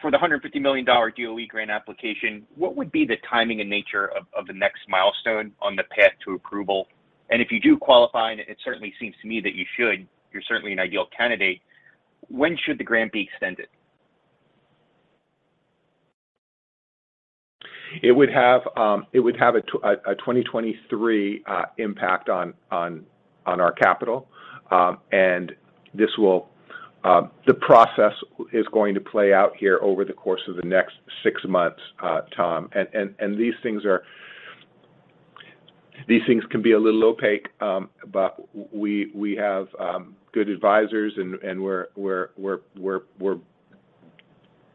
for the $150 million DOE grant application, what would be the timing and nature of the next milestone on the path to approval? If you do qualify, and it certainly seems to me that you should, you're certainly an ideal candidate, when should the grant be extended? It would have a 2023 impact on our capital, and this will. The process is going to play out here over the course of the next six months, Tom. These things can be a little opaque, but we have good advisors and we're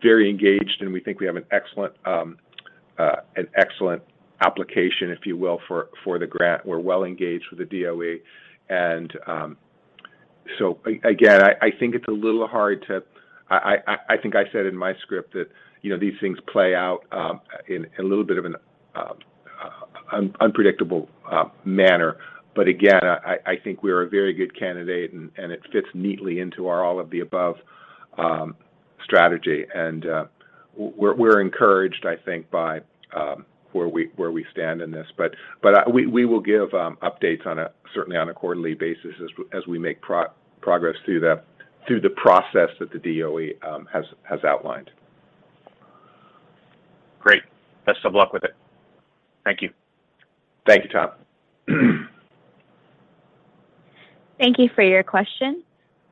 very engaged, and we think we have an excellent application, if you will, for the grant. We're well engaged with the DOE, and so again, I think it's a little hard to. I think I said in my script that, you know, these things play out in a little bit of an unpredictable manner. Again, I think we're a very good candidate and it fits neatly into our all-of-the-above strategy. We're encouraged, I think, by where we stand in this. We will give updates certainly on a quarterly basis as we make progress through the process that the DOE has outlined. Great. Best of luck with it. Thank you. Thank you, Tom. Thank you for your question.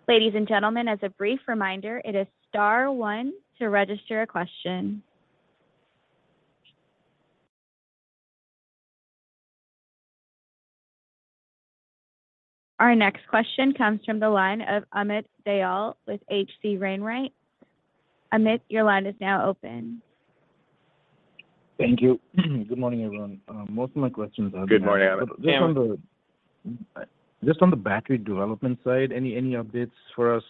Ladies and gentlemen, as a brief reminder, it is star one to register a question. Our next question comes from the line of Amit Dayal with H.C. Wainwright. Amit, your line is now open. Thank you. Good morning, everyone. Most of my questions are- Good morning, Amit. Just on the- Yeah. Just on the battery development side, any updates for us?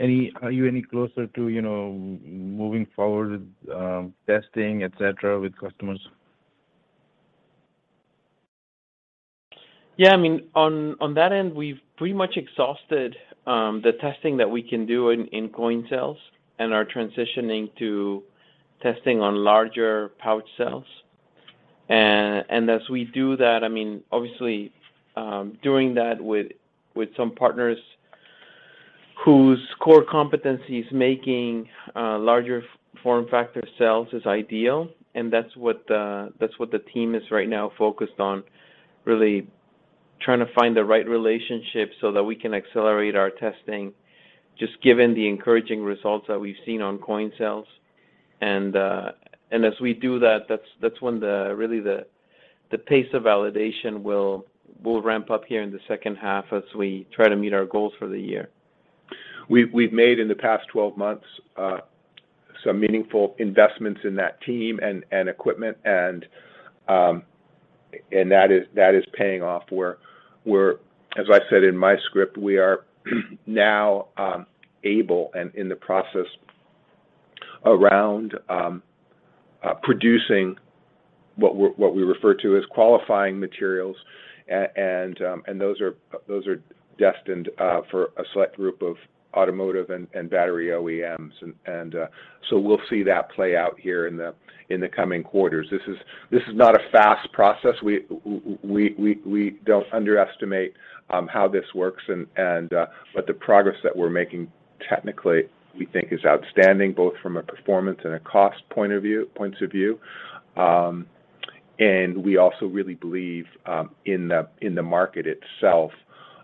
Are you any closer to, you know, moving forward with testing, et cetera, with customers? Yeah, I mean, on that end, we've pretty much exhausted the testing that we can do in coin cells and are transitioning to testing on larger pouch cells. As we do that, I mean, obviously, doing that with some partners whose core competency is making larger form factor cells is ideal, and that's what the team is right now focused on, really trying to find the right relationship so that we can accelerate our testing just given the encouraging results that we've seen on coin cells. As we do that's when really the pace of validation will ramp up here in the second half as we try to meet our goals for the year. We've made in the past 12 months some meaningful investments in that team and equipment, and that is paying off. We're, as I said in my script, we are now able and in the process of producing what we refer to as qualifying materials. Those are destined for a select group of automotive and battery OEMs. We'll see that play out here in the coming quarters. This is not a fast process. We don't underestimate how this works and but the progress that we're making technically we think is outstanding, both from a performance and a cost points of view. We also really believe in the market itself,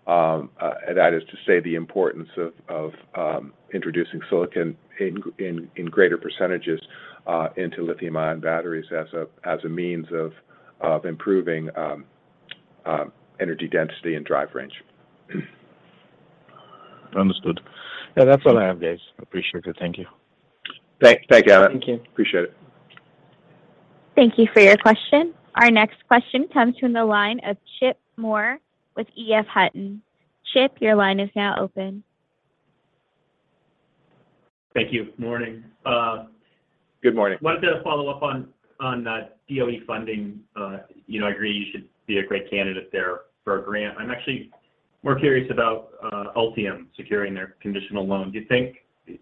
that is to say, the importance of introducing silicon in greater percentages into lithium-ion batteries as a means of improving energy density and drive range. Understood. Yeah, that's all I have, guys. Appreciate it. Thank you. Thanks, Amit. Thank you. Appreciate it. Thank you for your question. Our next question comes from the line of Chip Moore with EF Hutton. Chip, your line is now open. Thank you. Morning. Good morning. Wanted to follow up on that DOE funding. You know, I agree you should be a great candidate there for a grant. I'm actually more curious about Ultium securing their conditional loan. Do you think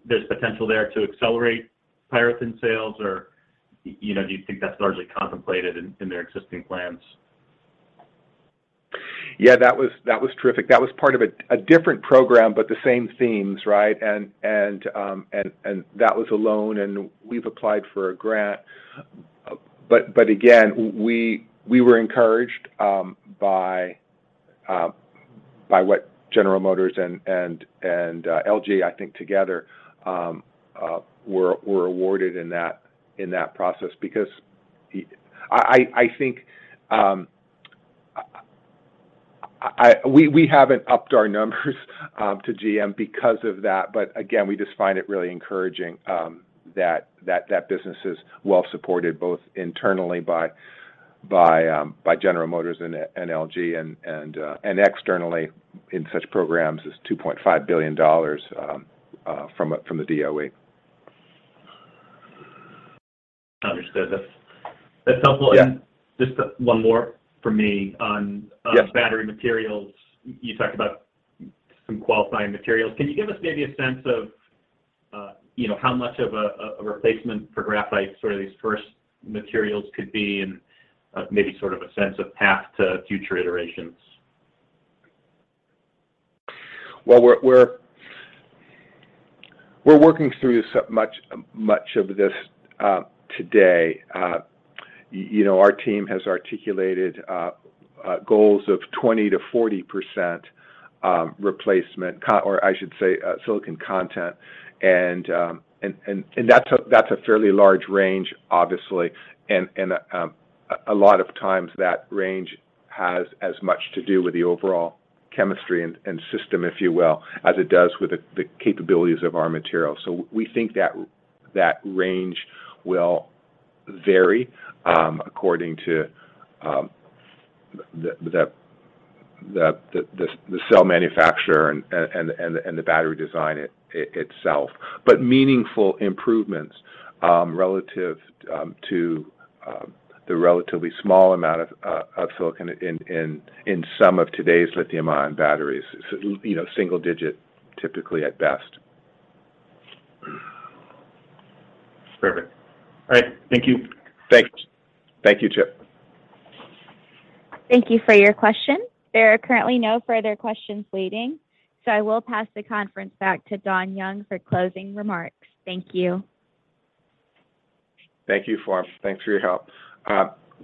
there's potential there to accelerate PyroThin sales or, you know, do you think that's largely contemplated in their existing plans? Yeah, that was terrific. That was part of a different program, but the same themes, right? That was a loan, and we've applied for a grant. We were encouraged by what General Motors and LG, I think together, were awarded in that process because I think we haven't upped our numbers to GM because of that. We just find it really encouraging that business is well supported, both internally by General Motors and LG and externally in such programs as $2.5 billion from the DOE. Understood. That's helpful. Yeah. Just one more from me on. Yes... battery materials. You talked about some qualifying materials. Can you give us maybe a sense of, you know, how much of a replacement for graphite sort of these first materials could be and, maybe sort of a sense of path to future iterations? Well, we're working through much of this today. You know, our team has articulated goals of 20%-40% or I should say silicon content. That's a fairly large range, obviously. A lot of times that range has as much to do with the overall chemistry and system, if you will, as it does with the cell manufacturer and the battery design itself, but meaningful improvements relative to the relatively small amount of silicon in some of today's lithium-ion batteries. You know, single digit typically at best. Perfect. All right. Thank you. Thanks. Thank you, Chip. Thank you for your question. There are currently no further questions waiting, so I will pass the conference back to Don Young for closing remarks. Thank you. Thank you, Florence. Thanks for your help.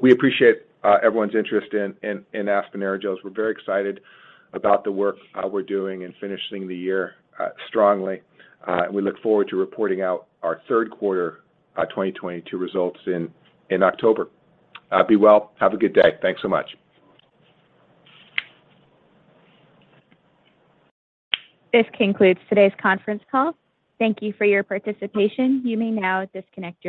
We appreciate everyone's interest in Aspen Aerogels. We're very excited about the work we're doing in finishing the year strongly. We look forward to reporting out our third quarter 2022 results in October. Be well. Have a good day. Thanks so much. This concludes today's conference call. Thank you for your participation. You may now disconnect your line.